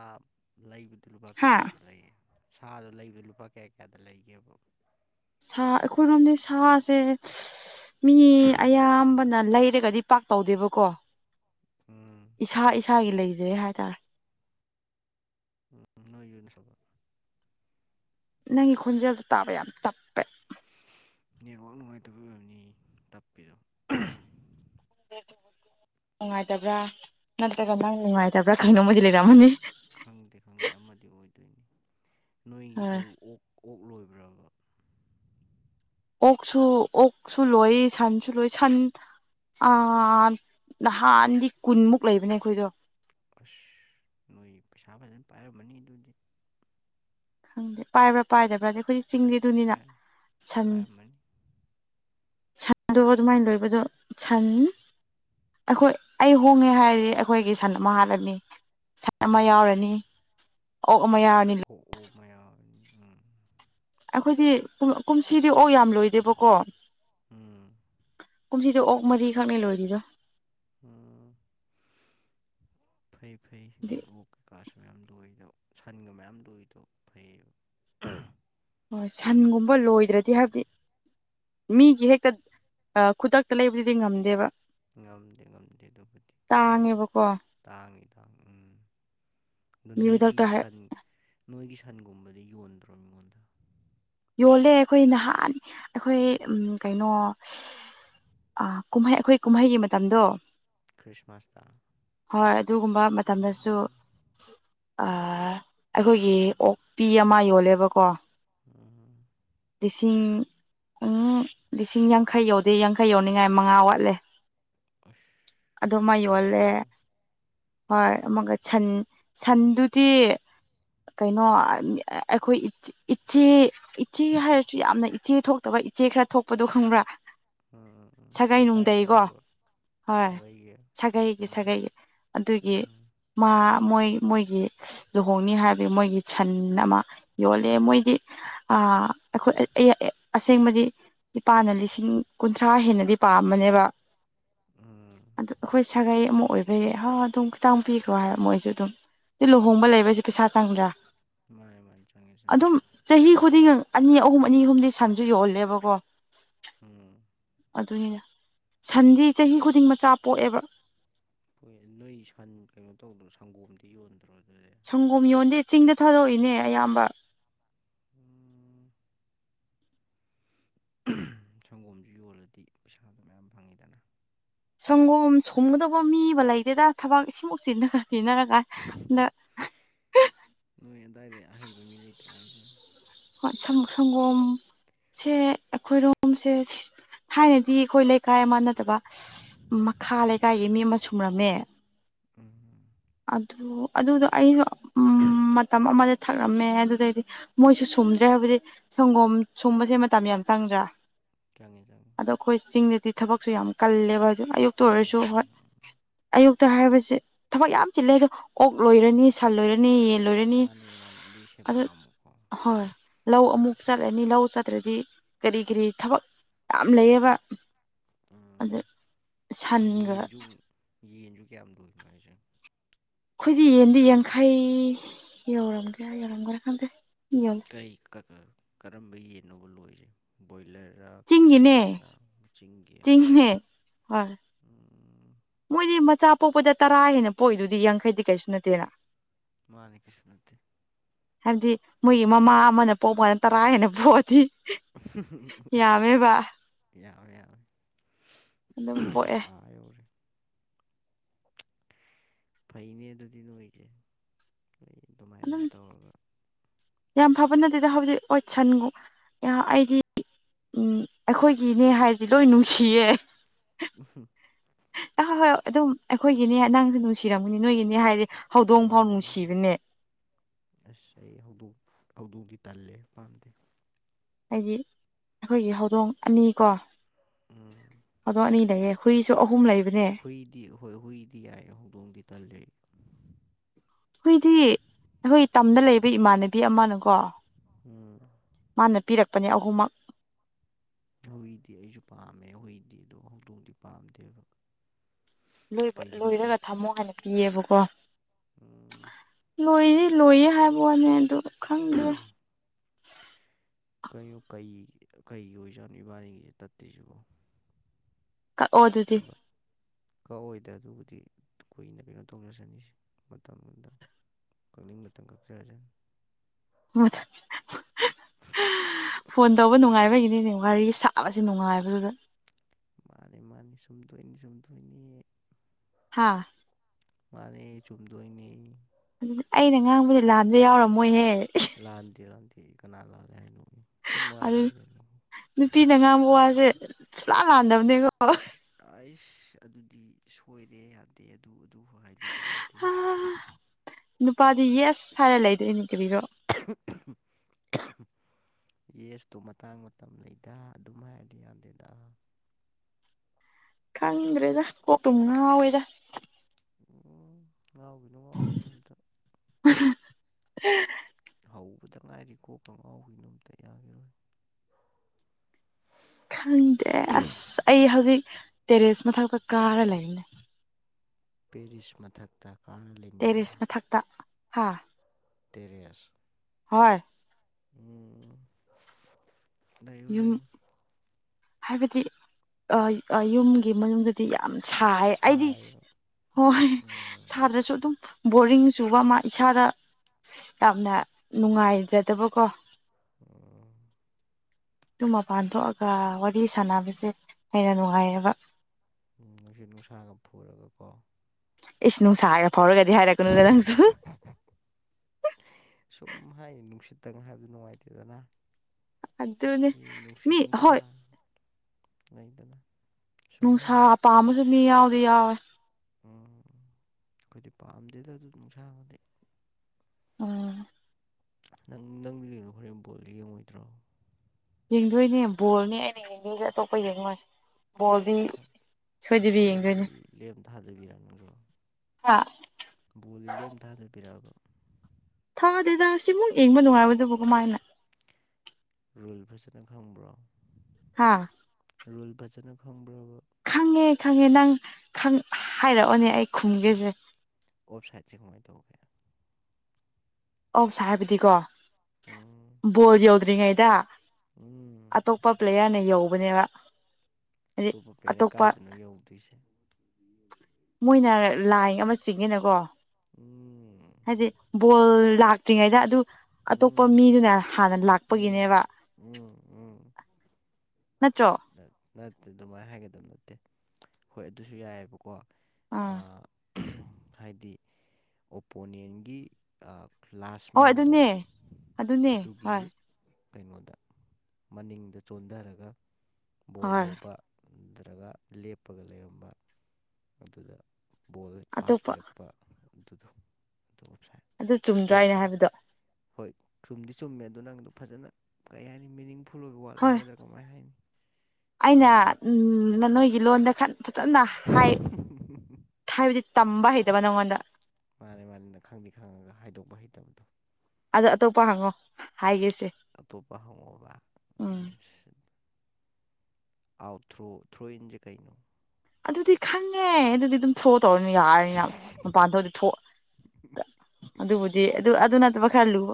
ꯂꯩꯕꯗꯤ ꯂꯨꯄꯥ ꯀꯌꯥ ꯍꯥ ꯀꯌꯥꯗ ꯂꯩ ꯁꯥꯗ ꯂꯩꯕ ꯂꯨꯄꯥ ꯀꯌꯥ ꯀꯌꯥꯗ ꯂꯩꯒꯦꯕ ꯁꯥ ꯑꯩꯈꯣꯏꯔꯣꯝꯗꯤ ꯁꯥꯁꯦ ꯃꯤ ꯑꯌꯥꯝꯕꯅ ꯂꯩꯔꯒꯗꯤ ꯄꯥꯛ ꯇꯧꯗꯦꯕꯀꯣ ꯎꯝ ꯏꯁꯥ ꯏꯁꯥꯒꯤ ꯂꯩꯖꯩ ꯍꯥꯏꯇꯥꯔꯦ ꯎꯝ ꯅꯣꯏ ꯌꯅꯤ ꯁꯕ ꯅꯪꯒꯤ ꯈꯣꯟꯖꯦꯜꯗ ꯇꯥꯕ ꯌꯥꯝ ꯇꯞꯄꯦ ꯅꯦꯠꯋꯥꯛ ꯅꯨꯡꯉꯥꯏꯇꯕ ꯑꯣꯏꯕꯅꯤ ꯇꯥꯛꯄꯤꯔꯣ ꯅꯨꯡꯉꯥꯏꯇꯕ꯭ꯔꯥ ꯅꯠꯇ꯭ꯔꯒ ꯅꯪꯅ ꯅꯨꯡꯉꯥꯏꯇꯕ꯭ꯔꯥ ꯈꯪꯗ ꯃꯣꯏꯗꯤ ꯂꯩꯔꯝꯃꯅꯤ ꯈꯪꯗꯦ ꯈꯪꯗꯦ ꯑꯃꯗꯤ ꯑꯣꯏꯗꯣꯏꯅꯤ ꯍꯣꯏ ꯅꯣꯏꯒꯤꯁꯨ ꯑꯣꯛ ꯑꯣꯛ ꯂꯣꯏꯕ ꯑꯣꯛꯁꯨ ꯑꯣꯛꯁꯨ ꯂꯣꯏ ꯁꯟꯁꯨ ꯂꯣꯏ ꯁꯟ ꯑ ꯅꯍꯥꯟꯗꯤ ꯀꯨꯟꯃꯨꯛ ꯂꯩꯕꯅꯦ ꯑꯩꯈꯣꯏꯗꯣ ꯑꯁ ꯅꯣꯏ ꯄꯩꯁꯥ ꯐꯖꯅ ꯄꯥꯏꯔꯝꯃꯅꯤ ꯑꯗꯨꯗꯤ ꯈꯪꯗꯦ ꯄꯥꯏꯕ꯭ꯔꯥ ꯄꯥꯏꯗꯕ꯭ꯔꯥꯗ ꯑꯩꯈꯣꯏꯗꯤ ꯆꯤꯡꯗꯦꯗꯨꯅꯤꯅ ꯄꯥꯏꯔꯝ ꯁꯟ ꯄꯥꯏꯔꯝꯃꯅꯤ ꯁꯟꯗꯣ ꯑꯗꯨꯃꯥꯏꯅ ꯂꯣꯏꯕꯗꯣ ꯁꯟ ꯑꯩꯈꯣꯏ ꯑꯩ ꯍꯣꯡꯉꯦ ꯍꯥꯏꯔꯗꯤ ꯑꯩꯈꯣꯏꯒꯤ ꯁꯟ ꯑꯃ ꯍꯥꯜꯂꯅꯤ ꯁꯥꯔ ꯑꯃ ꯎꯝ ꯌꯥꯎꯔꯅꯤ ꯎꯃꯌꯥ ꯑꯅꯤꯅꯤ ꯑꯣꯛ ꯑꯣꯛ ꯃꯌꯥꯝ ꯑꯩꯈꯣꯏꯗꯤ ꯀꯨꯝꯁꯤꯗꯤ ꯑꯣ ꯌꯥꯝ ꯂꯣꯏꯗꯦꯕꯀꯣ ꯎꯝ ꯀꯨꯝꯁꯤꯗꯤ ꯑꯣꯛ ꯃꯔꯤꯈꯛꯅꯤ ꯂꯣꯏꯔꯤꯗꯣ ꯎꯝ ꯐꯩ ꯐꯩ ꯍꯥꯏꯗꯤ ꯅꯣꯏ ꯑꯣꯛ ꯆꯀꯁꯨ ꯃꯌꯥꯝ ꯂꯣꯏꯏꯗꯣ ꯁꯟꯒ ꯃꯌꯥꯝ ꯂꯣꯏꯏꯗꯣ ꯐꯩꯕ ꯍꯣꯏ ꯁꯟꯒꯨꯝꯕ ꯂꯣꯏꯗ꯭ꯔꯗꯤ ꯍꯥꯏꯕꯗꯤ ꯃꯤꯒꯤ ꯍꯦꯛꯇ ꯈꯨꯗꯛꯇ ꯂꯩꯕꯗꯨꯗꯤ ꯉꯝꯗꯦꯕ ꯉꯝꯗꯦ ꯉꯝꯗꯦ ꯑꯗꯨꯕꯨꯗꯤ ꯎꯝ ꯇꯥꯡꯉꯦꯕꯀꯣ ꯇꯥꯡꯉꯤꯗ ꯑꯗ ꯃꯤ ꯅꯣꯏꯒꯤ ꯈꯨꯗꯛꯇ ꯁꯟ ꯅꯣꯏꯒꯤ ꯁꯟꯒꯨꯝꯕꯗꯤ ꯌꯣꯟꯗ꯭ꯔꯣ ꯃꯤꯉꯣꯟꯗ ꯌꯣꯜꯂꯦ ꯑꯩꯈꯣꯏ ꯅꯍꯥꯟ ꯑꯩꯈꯣꯏ ꯎ ꯀꯩꯅꯣ ꯑꯥ ꯀꯨꯝꯍꯩ ꯑꯩꯈꯣꯏ ꯀꯨꯝꯍꯩꯒꯤ ꯃꯇꯝꯗꯣ ꯈ꯭ꯔꯤꯁꯃꯥꯁꯇ ꯍꯣꯏ ꯑꯗꯨꯒꯨꯝꯕ ꯃꯇꯝꯗꯁꯨ ꯎꯝ ꯑ ꯑꯩꯈꯣꯏꯒꯤ ꯑꯣꯛꯄꯤꯤ ꯑꯃ ꯌꯣꯜꯂꯦꯕꯀꯣ ꯎꯝ ꯂꯤꯁꯤꯡ ꯎꯝ ꯂꯤꯁꯤꯡ ꯌꯥꯡꯈꯩ ꯌꯧꯗꯦ ꯌꯥꯡꯈꯩ ꯌꯧꯅꯤꯡꯉꯥꯏ ꯃꯉꯥ ꯋꯥꯠꯂꯦ ꯑꯁ ꯑꯗꯨꯃ ꯌꯥꯔꯦ ꯌꯣꯜꯂꯦ ꯀꯩꯅꯣ ꯍꯣꯏ ꯑꯃꯒ ꯁꯟ ꯁꯟꯗꯨꯗꯤ ꯀꯩꯅꯣ ꯑꯩꯈꯣꯏ ꯏꯆꯦ ꯏꯆꯦ ꯍꯥꯏꯔꯁꯨ ꯌꯥꯝꯅ ꯏꯆꯦ ꯊꯣꯛꯇꯕ ꯏꯆꯦ ꯈꯔ ꯊꯣꯛꯄꯗꯣ ꯈꯪꯕ꯭ꯔꯥ ꯎꯝ ꯎꯝ ꯎꯝ ꯁꯥꯒꯩ ꯅꯨꯡꯗꯩꯀꯣ ꯂꯩꯀꯥꯏꯒꯤꯔꯕ ꯍꯣꯏ ꯁꯥꯒꯩꯒꯤ ꯁꯥꯒꯩꯒꯤ ꯎꯝ ꯁꯥꯒꯩꯒꯤ ꯑꯗꯨꯒꯤ ꯎꯝ ꯃꯥ ꯃꯣꯏ ꯃꯣꯏꯒꯤ ꯂꯨꯍꯣꯡꯅꯤ ꯍꯥꯏꯕ ꯃꯣꯏꯒꯤ ꯁꯟ ꯑꯃ ꯌꯣꯜꯂꯦ ꯃꯣꯏꯗꯤ ꯑ ꯑꯩꯈꯣꯏ ꯑꯁꯦꯡꯕꯗꯤ ꯏꯄꯥꯅ ꯂꯤꯁꯤꯡ ꯀꯨꯟꯊ꯭ꯔꯥ ꯍꯦꯟꯅꯗꯤ ꯄꯥꯝꯕꯅꯦꯕ ꯎꯝ ꯑꯗꯨ ꯑꯩꯈꯣꯏ ꯁꯥꯒꯩ ꯑꯃ ꯑꯣꯏꯕ ꯌꯥꯏ ꯍꯣꯏ ꯑꯗꯨꯝ ꯈꯤꯇꯪ ꯄꯤꯈ꯭ꯔꯣ ꯍꯥꯏ ꯃꯣꯏꯁꯨ ꯑꯗꯨꯝ ꯁꯤ ꯂꯨꯍꯣꯡꯕ ꯂꯩꯕꯁꯦ ꯄꯩꯁꯥ ꯆꯪꯗ꯭ꯔꯥ ꯃꯥꯅꯦ ꯃꯥꯅꯤ ꯆꯉꯦ ꯆꯉꯦ ꯑꯗꯨꯝ ꯆꯍꯤ ꯈꯨꯗꯤꯡ ꯑꯅꯤ ꯑꯍꯨꯝ ꯑꯅꯤ ꯑꯍꯨꯝꯗꯤ ꯁꯟꯁꯨ ꯌꯧꯍꯜꯂꯦꯕꯀꯣ ꯎꯝ ꯑꯗꯨꯒꯤꯅꯦ ꯁꯟꯗꯤ ꯆꯍꯤ ꯈꯨꯗꯤꯡ ꯃꯆꯥ ꯄꯣꯛꯑꯦꯕ ꯍꯣꯏ ꯅꯣꯏ ꯁꯟ ꯀꯩꯅꯣ ꯇꯧꯗ꯭ꯔꯣ ꯁꯪꯒꯣꯝꯗꯤ ꯌꯣꯟꯗ꯭ꯔꯣ ꯑꯗꯨ ꯁꯪꯒꯣꯝ ꯌꯣꯟꯗꯦ ꯆꯤꯡꯗ ꯊꯥꯗꯣꯛꯏꯅꯦ ꯑꯌꯥꯝꯕ ꯎꯝ ꯁꯪꯒꯣꯝꯁꯨ ꯌꯣꯜꯂꯗꯤ ꯄꯩꯁꯥꯗꯣ ꯃꯌꯥꯝ ꯐꯪꯉꯤꯗꯅ ꯁꯪꯒꯣꯝ ꯁꯨꯝꯒꯗꯧꯕ ꯃꯤꯕ ꯂꯩꯇꯦꯗ ꯊꯕꯛ ꯏꯁꯤꯡꯐꯥꯎ ꯆꯤꯟꯅꯒ꯭ꯔ ꯅꯣꯏ ꯑꯗꯨꯗꯥꯏꯗ ꯑꯍꯩꯕ ꯃꯤ ꯂꯩꯇ꯭ꯔꯣ ꯍꯥꯏꯁꯦ ꯍꯣꯏ ꯁꯪꯒꯣꯝꯁꯦ ꯑꯩꯈꯣꯏꯔꯣꯝꯁꯦ ꯊꯥꯏꯅꯗꯤ ꯑꯩꯈꯣꯏ ꯂꯩꯀꯥꯏ ꯑꯃ ꯅꯠꯇꯕ ꯃꯈꯥ ꯂꯩꯀꯥꯏꯒꯤ ꯃꯤ ꯑꯃ ꯁꯨꯝꯔꯝꯃꯦ ꯎꯝ ꯑꯗꯨ ꯑꯗꯨꯗꯣ ꯑꯩꯁꯨ ꯎꯝ ꯃꯇꯝ ꯑꯃꯗ ꯊꯛꯂꯝꯝꯃꯦ ꯑꯗꯨꯗꯩꯗꯤ ꯃꯣꯏꯁꯨ ꯁꯨꯝꯗ꯭ꯔꯦ ꯍꯥꯏꯕꯗꯤ ꯁꯪꯒꯣꯝ ꯁꯨꯝꯕꯁꯦ ꯃꯇꯝ ꯌꯥꯝ ꯆꯪꯗ꯭ꯔꯥ ꯆꯪꯉꯦ ꯆꯪꯉꯦ ꯑꯗꯣ ꯑꯩꯈꯣꯏ ꯆꯤꯡꯗꯗꯤ ꯊꯕꯛꯁꯨ ꯌꯥꯝ ꯀꯜꯂꯦꯕ ꯑꯌꯨꯛꯇ ꯈꯜꯂꯦ ꯑꯣꯏꯔꯁꯨ ꯎꯝ ꯍꯣꯏ ꯑꯌꯨꯛꯇ ꯍꯥꯏꯕꯁꯦ ꯊꯕꯛ ꯌꯥꯝ ꯆꯤꯠꯂꯦꯗꯣ ꯑꯣꯛ ꯂꯣꯏꯔꯅꯤ ꯁꯟ ꯂꯣꯏꯔꯅꯤ ꯌꯦ ꯑꯣꯛ ꯂꯣꯏꯔꯅꯤ ꯃꯥꯅꯦ ꯃꯥꯅꯦ ꯑꯗꯨꯏ ꯁꯦꯕꯥ ꯑꯃꯨꯛꯀꯣ ꯂꯧ ꯑꯃꯨꯛ ꯆꯠꯂꯅꯤ ꯅꯠꯇ꯭ꯔꯗꯤ ꯀꯔꯤ ꯀꯔꯤ ꯊꯕꯛ ꯌꯥꯝ ꯂꯩꯌꯦꯕ ꯑꯗꯨ ꯎꯝ ꯑꯁꯤ ꯁꯟꯒ ꯌꯦꯟꯁꯨ ꯌꯦꯟꯁꯨ ꯀꯌꯥꯝ ꯂꯣꯏꯔꯤꯅꯣ ꯍꯥꯏꯁꯦ ꯑꯩꯈꯣꯏꯗꯤ ꯌꯦꯟꯗꯤ ꯌꯥꯡꯈꯩ ꯌꯧꯔꯝꯒꯗ꯭ꯔ ꯌꯧꯔꯝꯒꯗ꯭ꯔꯈꯪꯗꯦ ꯀꯔꯝꯕ ꯌꯦꯟꯅꯣꯕ ꯂꯣꯏꯔꯤꯁꯦ ꯕꯣꯏꯂꯔ ꯀꯥꯎꯅ ꯆꯤꯡꯒꯤꯅꯦ ꯌꯦꯟꯂ ꯆꯤꯡꯒꯤ ꯆꯤꯡꯅꯦ ꯍꯣꯏ ꯎꯝ ꯃꯣꯏꯗꯤ ꯃꯆꯥ ꯄꯣꯛꯄꯗ ꯇꯔꯥ ꯍꯦꯟꯅ ꯄꯣꯛꯏꯗꯨꯗꯤ ꯌꯥꯡꯈꯩꯗꯤ ꯀꯩꯁꯨ ꯅꯠꯇꯦꯅ ꯃꯥꯅꯤ ꯀꯩꯁꯨꯅꯠꯇꯦ ꯍꯥꯏꯕꯗꯤ ꯃꯣꯏꯒꯤ ꯃꯃꯥ ꯑꯃꯅ ꯄꯣꯛꯄꯅ ꯇꯔꯥ ꯍꯦꯟꯅ ꯄꯣꯛꯑꯗꯤ ꯌꯥꯝꯃꯦꯕ ꯌꯥꯝꯃꯦ ꯌꯥꯝꯃꯦ ꯑꯗꯨꯝ ꯄꯣꯛꯑꯦ ꯑꯥ ꯌꯧꯔꯦ ꯐꯩꯅꯦ ꯑꯗꯨꯗꯤ ꯅꯣꯏꯗꯤ ꯑꯗꯨꯃꯥꯏꯅ ꯑꯗꯨꯝ ꯇꯧꯔꯒ ꯌꯥꯝ ꯐꯕ ꯅꯠꯇꯦꯗ ꯍꯧꯖꯤꯛ ꯍꯣꯏ ꯁꯟꯕꯨ ꯑꯩꯗꯤ ꯎꯝ ꯑꯩꯈꯣꯏꯒꯤꯅꯦ ꯍꯥꯏꯔꯗꯤ ꯂꯣꯏ ꯅꯨꯡꯁꯤꯌꯦ ꯎꯝ ꯍꯣꯏ ꯍꯣꯏ ꯑꯗꯨꯝ ꯑꯩꯈꯣꯏꯒꯤꯅꯦ ꯅꯪꯁꯨ ꯅꯨꯡꯁꯤꯔꯝꯃꯅꯤ ꯅꯣꯏꯒꯤꯅꯦ ꯍꯥꯏꯗꯤ ꯍꯧꯗꯣꯡ ꯐꯥꯎ ꯃꯥꯅꯦ ꯃꯥꯅꯦ ꯅꯨꯡꯁꯤꯕꯅꯦ ꯑꯁ ꯑꯩ ꯍꯧꯗꯣꯛ ꯍꯧꯗꯣꯡꯗꯤ ꯇꯜꯂꯦꯍꯦ ꯄꯥꯝꯗꯦ ꯍꯥꯏꯗꯤ ꯑꯩꯈꯣꯏꯒꯤ ꯍꯧꯗꯣꯡ ꯑꯅꯤꯀꯣ ꯎꯝ ꯑꯗꯣ ꯑꯅꯤ ꯂꯩꯌꯦ ꯍꯨꯏꯁꯨ ꯑꯍꯨꯝ ꯂꯩꯕ ꯍꯨꯏꯗꯤ ꯍꯣꯏ ꯍꯨꯏꯗꯤ ꯌꯥꯏ ꯍꯧꯗꯣꯡꯗꯤ ꯇꯜꯂꯦꯕ ꯑꯩꯈꯣꯏꯗꯤ ꯑꯩꯈꯣꯏ ꯇꯝꯅ ꯂꯩꯕ ꯏꯃꯥꯟꯅꯕꯤ ꯑꯃꯅꯀꯣ ꯎꯝ ꯃꯥꯅ ꯄꯤꯔꯛꯄꯅꯦ ꯑꯍꯨꯝꯃꯛ ꯍꯨꯏꯗꯤ ꯑꯩꯁꯨ ꯄꯥꯝꯃꯦ ꯍꯨꯏꯗꯤ ꯑꯗꯣ ꯍꯧꯗꯣꯡꯗꯤ ꯄꯥꯝꯗꯦꯕ ꯂꯣꯏ ꯀꯩꯒꯤꯅꯣ ꯂꯣꯏꯔꯒ ꯈꯪꯗꯦ ꯊꯝꯃꯣ ꯍꯥꯏꯅ ꯄꯤꯌꯦꯕꯀꯣ ꯎꯝ ꯂꯣꯏꯗꯤ ꯂꯣꯏꯌꯦ ꯍꯥꯏꯕ ꯋꯥꯅꯦ ꯑꯗꯨ ꯈꯪꯗꯦ [inaudible] ꯀꯩ ꯀꯩꯒꯤ ꯑꯣꯏꯖꯥꯠꯅꯣ ꯏꯕꯥꯅꯤꯒꯤꯁꯦ ꯇꯠꯇ꯭ꯔꯤꯁꯤꯕꯣ ꯀꯛꯑꯣ ꯑꯗꯨꯗꯤ ꯀꯛꯑꯣꯏꯗ ꯑꯗꯨꯕꯨꯗꯤ ꯀꯨꯏꯅ ꯀꯩꯅꯣ ꯇꯧꯖꯁꯅꯤꯁ ꯃꯇꯝ ꯃꯇꯝ ꯀꯛꯅꯤꯡꯕꯇꯪ ꯀꯛꯆꯔꯁꯅꯤ ꯐꯣꯟ ꯇꯧꯕ ꯅꯨꯡꯉꯥꯏꯕꯒꯤ ꯅꯦ ꯋꯥꯔꯤ ꯁꯥꯕꯁꯦ ꯅꯨꯡꯉꯥꯏꯕꯗꯨꯗ ꯃꯥꯅꯤ ꯃꯥꯅꯤ ꯁꯨꯝꯗꯣꯏꯅꯤ ꯁꯨꯝꯗꯣꯏꯅꯤ ꯍꯥꯥ ꯃꯥꯅꯦ ꯆꯨꯝꯗꯣꯏꯅꯦ ꯑꯗꯨꯗꯤ ꯑꯩꯅ ꯉꯥꯡꯕꯗꯤ ꯂꯥꯟꯕ ꯌꯥꯎꯔꯝꯃꯣꯏꯍꯦ ꯂꯥꯟꯗꯦ ꯂꯥꯟꯇꯦ ꯀꯅꯥ ꯂꯥꯛꯂꯦ ꯍꯥꯏꯅꯣ ꯑꯆꯨꯝꯕ ꯑꯗꯨ ꯉꯥꯛꯇꯅꯤ ꯀꯩꯅꯣ ꯅꯨꯄꯤꯅ ꯉꯥꯡꯕ ꯋꯥꯁꯦ ꯁꯨꯂꯥꯟ ꯂꯥꯟꯗꯕꯅꯦꯀꯣ ꯑꯥꯏꯁ ꯑꯗꯨꯗꯤ ꯁꯣꯏꯔꯦ ꯌꯥꯗꯦ ꯑꯗꯨ ꯑꯗꯨ ꯍꯥꯏꯗꯨꯗꯤ ꯌꯥꯗꯦ ꯅꯨꯄꯥꯗꯤ ꯌꯦꯁ ꯍꯥꯏꯔ ꯂꯩꯗꯣꯏꯅꯤ ꯀꯕꯤꯔꯣ ꯑꯍ ꯌꯦꯁꯇꯣ ꯃꯇꯥꯡ ꯃꯇꯝ ꯂꯩꯗ ꯑꯗꯨꯝ ꯍꯥꯏꯔꯗꯤ ꯌꯥꯗꯦꯗ ꯈꯪꯗ꯭ꯔꯦꯗ ꯀꯣꯛꯇꯨꯝ ꯉꯥꯎꯋꯦꯗ ꯎ ꯉꯥꯎꯒꯤꯅꯨ ꯉꯥꯎꯈꯤꯅꯣ ꯑꯝꯇ ꯑꯍ ꯍ ꯍꯧꯕꯗ ꯉꯥꯏꯔꯤ ꯀꯣꯛꯄ ꯉꯥꯎꯕꯒꯤ ꯅꯨꯃꯤꯇ ꯌꯥꯈꯤꯔꯣꯏ ꯈꯪꯗꯦ ꯑꯁ ꯑꯩ ꯍꯧꯖꯤꯛ ꯇꯦꯔꯤꯁ ꯃꯊꯛꯇ ꯀꯥꯔ ꯂꯩꯔꯤꯅꯦ ꯄꯦꯔꯤꯁ ꯃꯊꯛꯇ ꯀꯥꯔ ꯂꯩꯅꯤꯡꯉꯦ ꯇꯦꯔꯤꯁ ꯃꯊꯛꯇ ꯍꯥ ꯇꯦꯔꯦꯁ ꯍꯣꯏ ꯎꯝ ꯂꯩꯌꯨ ꯌꯨꯝ ꯂꯩꯌꯨ ꯍꯥꯏꯕꯗꯤ ꯌꯨꯝꯒꯤ ꯃꯅꯨꯡꯗꯗꯤ ꯌꯥꯝ ꯁꯥꯢ ꯑꯩꯗꯤ ꯁꯥꯏꯕ ꯍꯣꯏ ꯎꯝ ꯁꯥꯗ꯭ꯔꯁꯨ ꯑꯗꯨꯝ ꯕꯣꯔꯤꯡ ꯆꯨꯕ ꯑꯃ ꯏꯁꯥꯗ ꯌꯥꯝꯅ ꯅꯨꯡꯉꯥꯏꯖꯗꯕꯀꯣ ꯎꯝ ꯑꯗꯨ ꯃꯄꯥꯟ ꯊꯣꯛꯑꯒ ꯋꯥꯔꯤ ꯁꯥꯟꯅꯕꯁꯦ ꯍꯦꯟꯅ ꯅꯨꯡꯉꯥꯏꯌꯦꯕ ꯎ ꯉꯅꯨꯡꯁꯤꯠ ꯅꯨꯡꯁꯥꯒ ꯐꯨꯔꯒ ꯀꯣ ꯏꯁ ꯅꯨꯡꯁꯔ ꯐꯥꯎꯔꯒꯗꯤ ꯍꯥꯏꯔꯛꯀꯅꯨꯅꯦ ꯅꯪꯁꯨ ꯁꯨꯝ ꯍꯥꯏꯌꯦ ꯅꯨꯡꯁꯤꯠꯇꯪ ꯍꯥꯏꯕꯗꯨ ꯅꯨꯡꯉꯥꯏꯇꯦꯗꯅ ꯑꯗꯨꯅꯦ ꯑꯗꯩ ꯃꯤ ꯅꯨꯡꯁꯤꯠ ꯅꯨꯡꯁꯥ ꯍꯣꯏ ꯂꯩꯗꯅ ꯁꯨꯝ ꯅꯨꯡꯁꯥ ꯍꯥꯏꯅꯤ ꯑꯄꯥꯝꯕꯁꯨ ꯃꯤ ꯌꯥꯎꯗꯤ ꯌꯥꯎꯋꯦ ꯎꯝ ꯑꯩꯈꯣꯏꯗꯤ ꯄꯥꯝꯗꯦꯗ ꯑꯗꯨ ꯅꯨꯡꯁꯥꯡꯒꯅꯤ ꯎꯝ ꯅꯪ ꯅꯪꯗꯤ ꯀꯩꯅꯣ ꯍꯣꯔꯦꯟ ꯕꯣꯜꯗ ꯌꯦꯡꯉꯣꯏꯗ꯭ꯔꯣ ꯌꯦꯡꯗꯣꯏꯅꯦ ꯕꯣꯜꯅꯦ ꯑꯩꯅ ꯌꯦꯡꯗꯣꯏꯁꯦ ꯑꯇꯣꯞꯄ ꯌꯦꯡꯉꯣꯏ ꯕꯣꯜꯗꯤ ꯑꯁ ꯁꯣꯏꯗꯕꯤ ꯌꯦꯡꯗꯣꯢꯅꯤ ꯕꯣꯜꯗꯤ ꯂꯦꯝ ꯊꯥꯗꯕꯤꯔ ꯅꯪꯁꯨ ꯕꯣꯗꯤ ꯂꯦꯝ ꯊꯥꯗꯕꯤꯔꯕ ꯊꯥꯗꯦꯗ ꯁꯤꯃꯨꯛ ꯌꯦꯡꯕ ꯅꯨꯡꯉꯥꯏꯕꯗꯨꯕꯨ ꯀꯃꯥꯏꯅ ꯔꯨꯜ ꯐꯖꯅ ꯈꯪꯕ꯭ꯔꯣ ꯍꯥ ꯔꯨꯜ ꯐꯖꯅ ꯈꯕ꯭ꯔꯕ ꯈꯪꯉꯦ ꯈꯪꯉꯦ ꯅꯪ ꯍꯥꯏꯔꯛꯑꯣꯅꯦ ꯑꯩ ꯈꯨꯝꯒꯦꯁꯦ ꯋꯦꯞꯁꯥꯏꯠꯁꯦ ꯀꯃꯥꯏꯅ ꯇꯧꯒꯦ ꯑꯧ ꯁꯥ ꯍꯥꯏꯕꯗꯤꯀꯣ ꯎꯝ ꯕꯣꯜ ꯌꯧꯗ꯭ꯔꯤꯉꯩꯗ ꯎꯝ ꯑꯇꯣꯞꯄ ꯄ꯭ꯂꯦꯌꯥꯔꯅ ꯌꯧꯕꯅꯦꯕ ꯍꯥꯏꯗꯤ ꯑꯇꯣꯞꯄ ꯄꯦꯔꯦꯟ ꯑꯇꯣꯞꯄ ꯀꯥꯏꯗꯅꯣ ꯌꯧꯗꯣꯏꯁꯦ ꯃꯣꯏꯅ ꯂꯥꯏ ꯑꯃ ꯆꯤꯡꯉꯦꯅꯀꯣ ꯎꯝ ꯍꯥꯏꯗꯤ ꯕꯣꯜ ꯂꯥꯛꯇ꯭ꯔꯤꯉꯩꯗ ꯑꯗꯨ ꯑꯇꯣꯞꯄ ꯎꯝ ꯃꯤꯗꯨꯅ ꯍꯥꯟꯅ ꯎꯝ ꯂꯥꯛꯄꯒꯤꯅꯦꯕ ꯎꯝ ꯎꯝ ꯅꯠꯇ꯭ꯔꯣ ꯅꯠꯇꯦ ꯑꯗꯨꯃꯥꯏꯅ ꯍꯥꯏꯒꯗꯕ ꯅꯠꯇꯦ ꯍꯣꯏ ꯑꯗꯨꯁꯨ ꯌꯥꯏꯌꯦꯕꯀꯣ ꯑꯥ ꯍꯥꯏꯗꯤ ꯑꯣꯄꯣꯅꯦꯟꯒꯤ ꯂꯥꯁ ꯍꯣꯏ ꯃꯦꯟꯗꯣ ꯑꯗꯨꯅꯦ ꯑꯗꯨꯅꯦ ꯍꯣꯏ ꯑꯗꯨꯒꯤ ꯀꯩꯅꯣꯗ ꯃꯅꯤꯡꯗ ꯆꯣꯟꯊꯔꯒ ꯕꯣꯜ ꯍꯣꯏ ꯂꯧꯕ ꯅꯠꯇ꯭ꯔꯒ ꯂꯦꯞꯄꯒ ꯂꯩꯔꯝꯕ ꯑꯗꯨꯗ ꯕꯣꯜ ꯄꯥꯁ ꯑꯇꯣꯞꯄ ꯄꯤꯔꯛꯄ ꯑꯗꯨꯗꯣ ꯑꯗꯨ ꯑꯣꯞꯁꯥꯏꯠ ꯑꯗꯨ ꯆꯨꯝꯗ꯭ꯔꯥ ꯍꯥꯏꯅ ꯑꯇꯣꯞꯄ ꯍꯥꯏꯕꯗꯣ ꯍꯣꯏ ꯆꯨꯝꯗꯤ ꯆꯨꯝꯃꯦ ꯑꯗꯨ ꯅꯪꯗꯣ ꯐꯖꯅ ꯀꯩ ꯍꯥꯏꯅꯤ ꯃꯤꯅꯤꯡꯐꯨꯜ ꯑꯣꯏꯕ ꯋꯥꯔꯗ ꯍꯣꯏ ꯍꯥꯏꯒꯗ꯭ꯔꯥ ꯀꯃꯥꯏ ꯍꯥꯏꯅꯤ ꯑꯗꯨꯅꯤꯗ ꯑꯩꯅ ꯅꯣꯏꯒꯤ ꯂꯣꯟꯗ ꯐꯖꯅ ꯍꯥꯏ ꯍꯥꯏꯕꯗꯤ ꯇꯝꯕ ꯍꯩꯇꯕ ꯅꯪꯉꯣꯟꯗ ꯃꯥꯅꯤ ꯃꯥꯅꯤꯅ ꯈꯪꯗꯤ ꯈꯪꯉꯒ ꯍꯥꯏꯗꯣꯛꯄ ꯍꯩꯇꯕꯅꯤ ꯑꯗ ꯑꯇꯣꯞꯄ ꯍꯪꯉꯣ ꯍꯥꯏꯒꯦꯁꯤ ꯑꯇꯣꯞꯄ ꯍꯪꯉꯣꯕ ꯑꯥꯎ ꯊ꯭ꯔꯣ ꯊ꯭ꯔꯨ ꯏꯟꯖꯦ ꯀꯩꯅ ꯑꯗꯨꯗꯤ ꯈꯪꯉꯦ ꯑꯗꯨꯗꯤ ꯑꯗꯨꯝ ꯇꯧꯔꯅꯤ ꯌꯥꯔꯅꯤ ꯃꯄꯥꯟ ꯊꯣꯛꯗꯤ ꯊꯣꯛ ꯑꯗꯨꯕꯨꯗꯤ ꯑꯗꯨ ꯑꯗꯨꯅ ꯑꯗꯨ ꯅꯥꯠꯇꯕꯥ ꯈꯔ ꯂꯨꯕ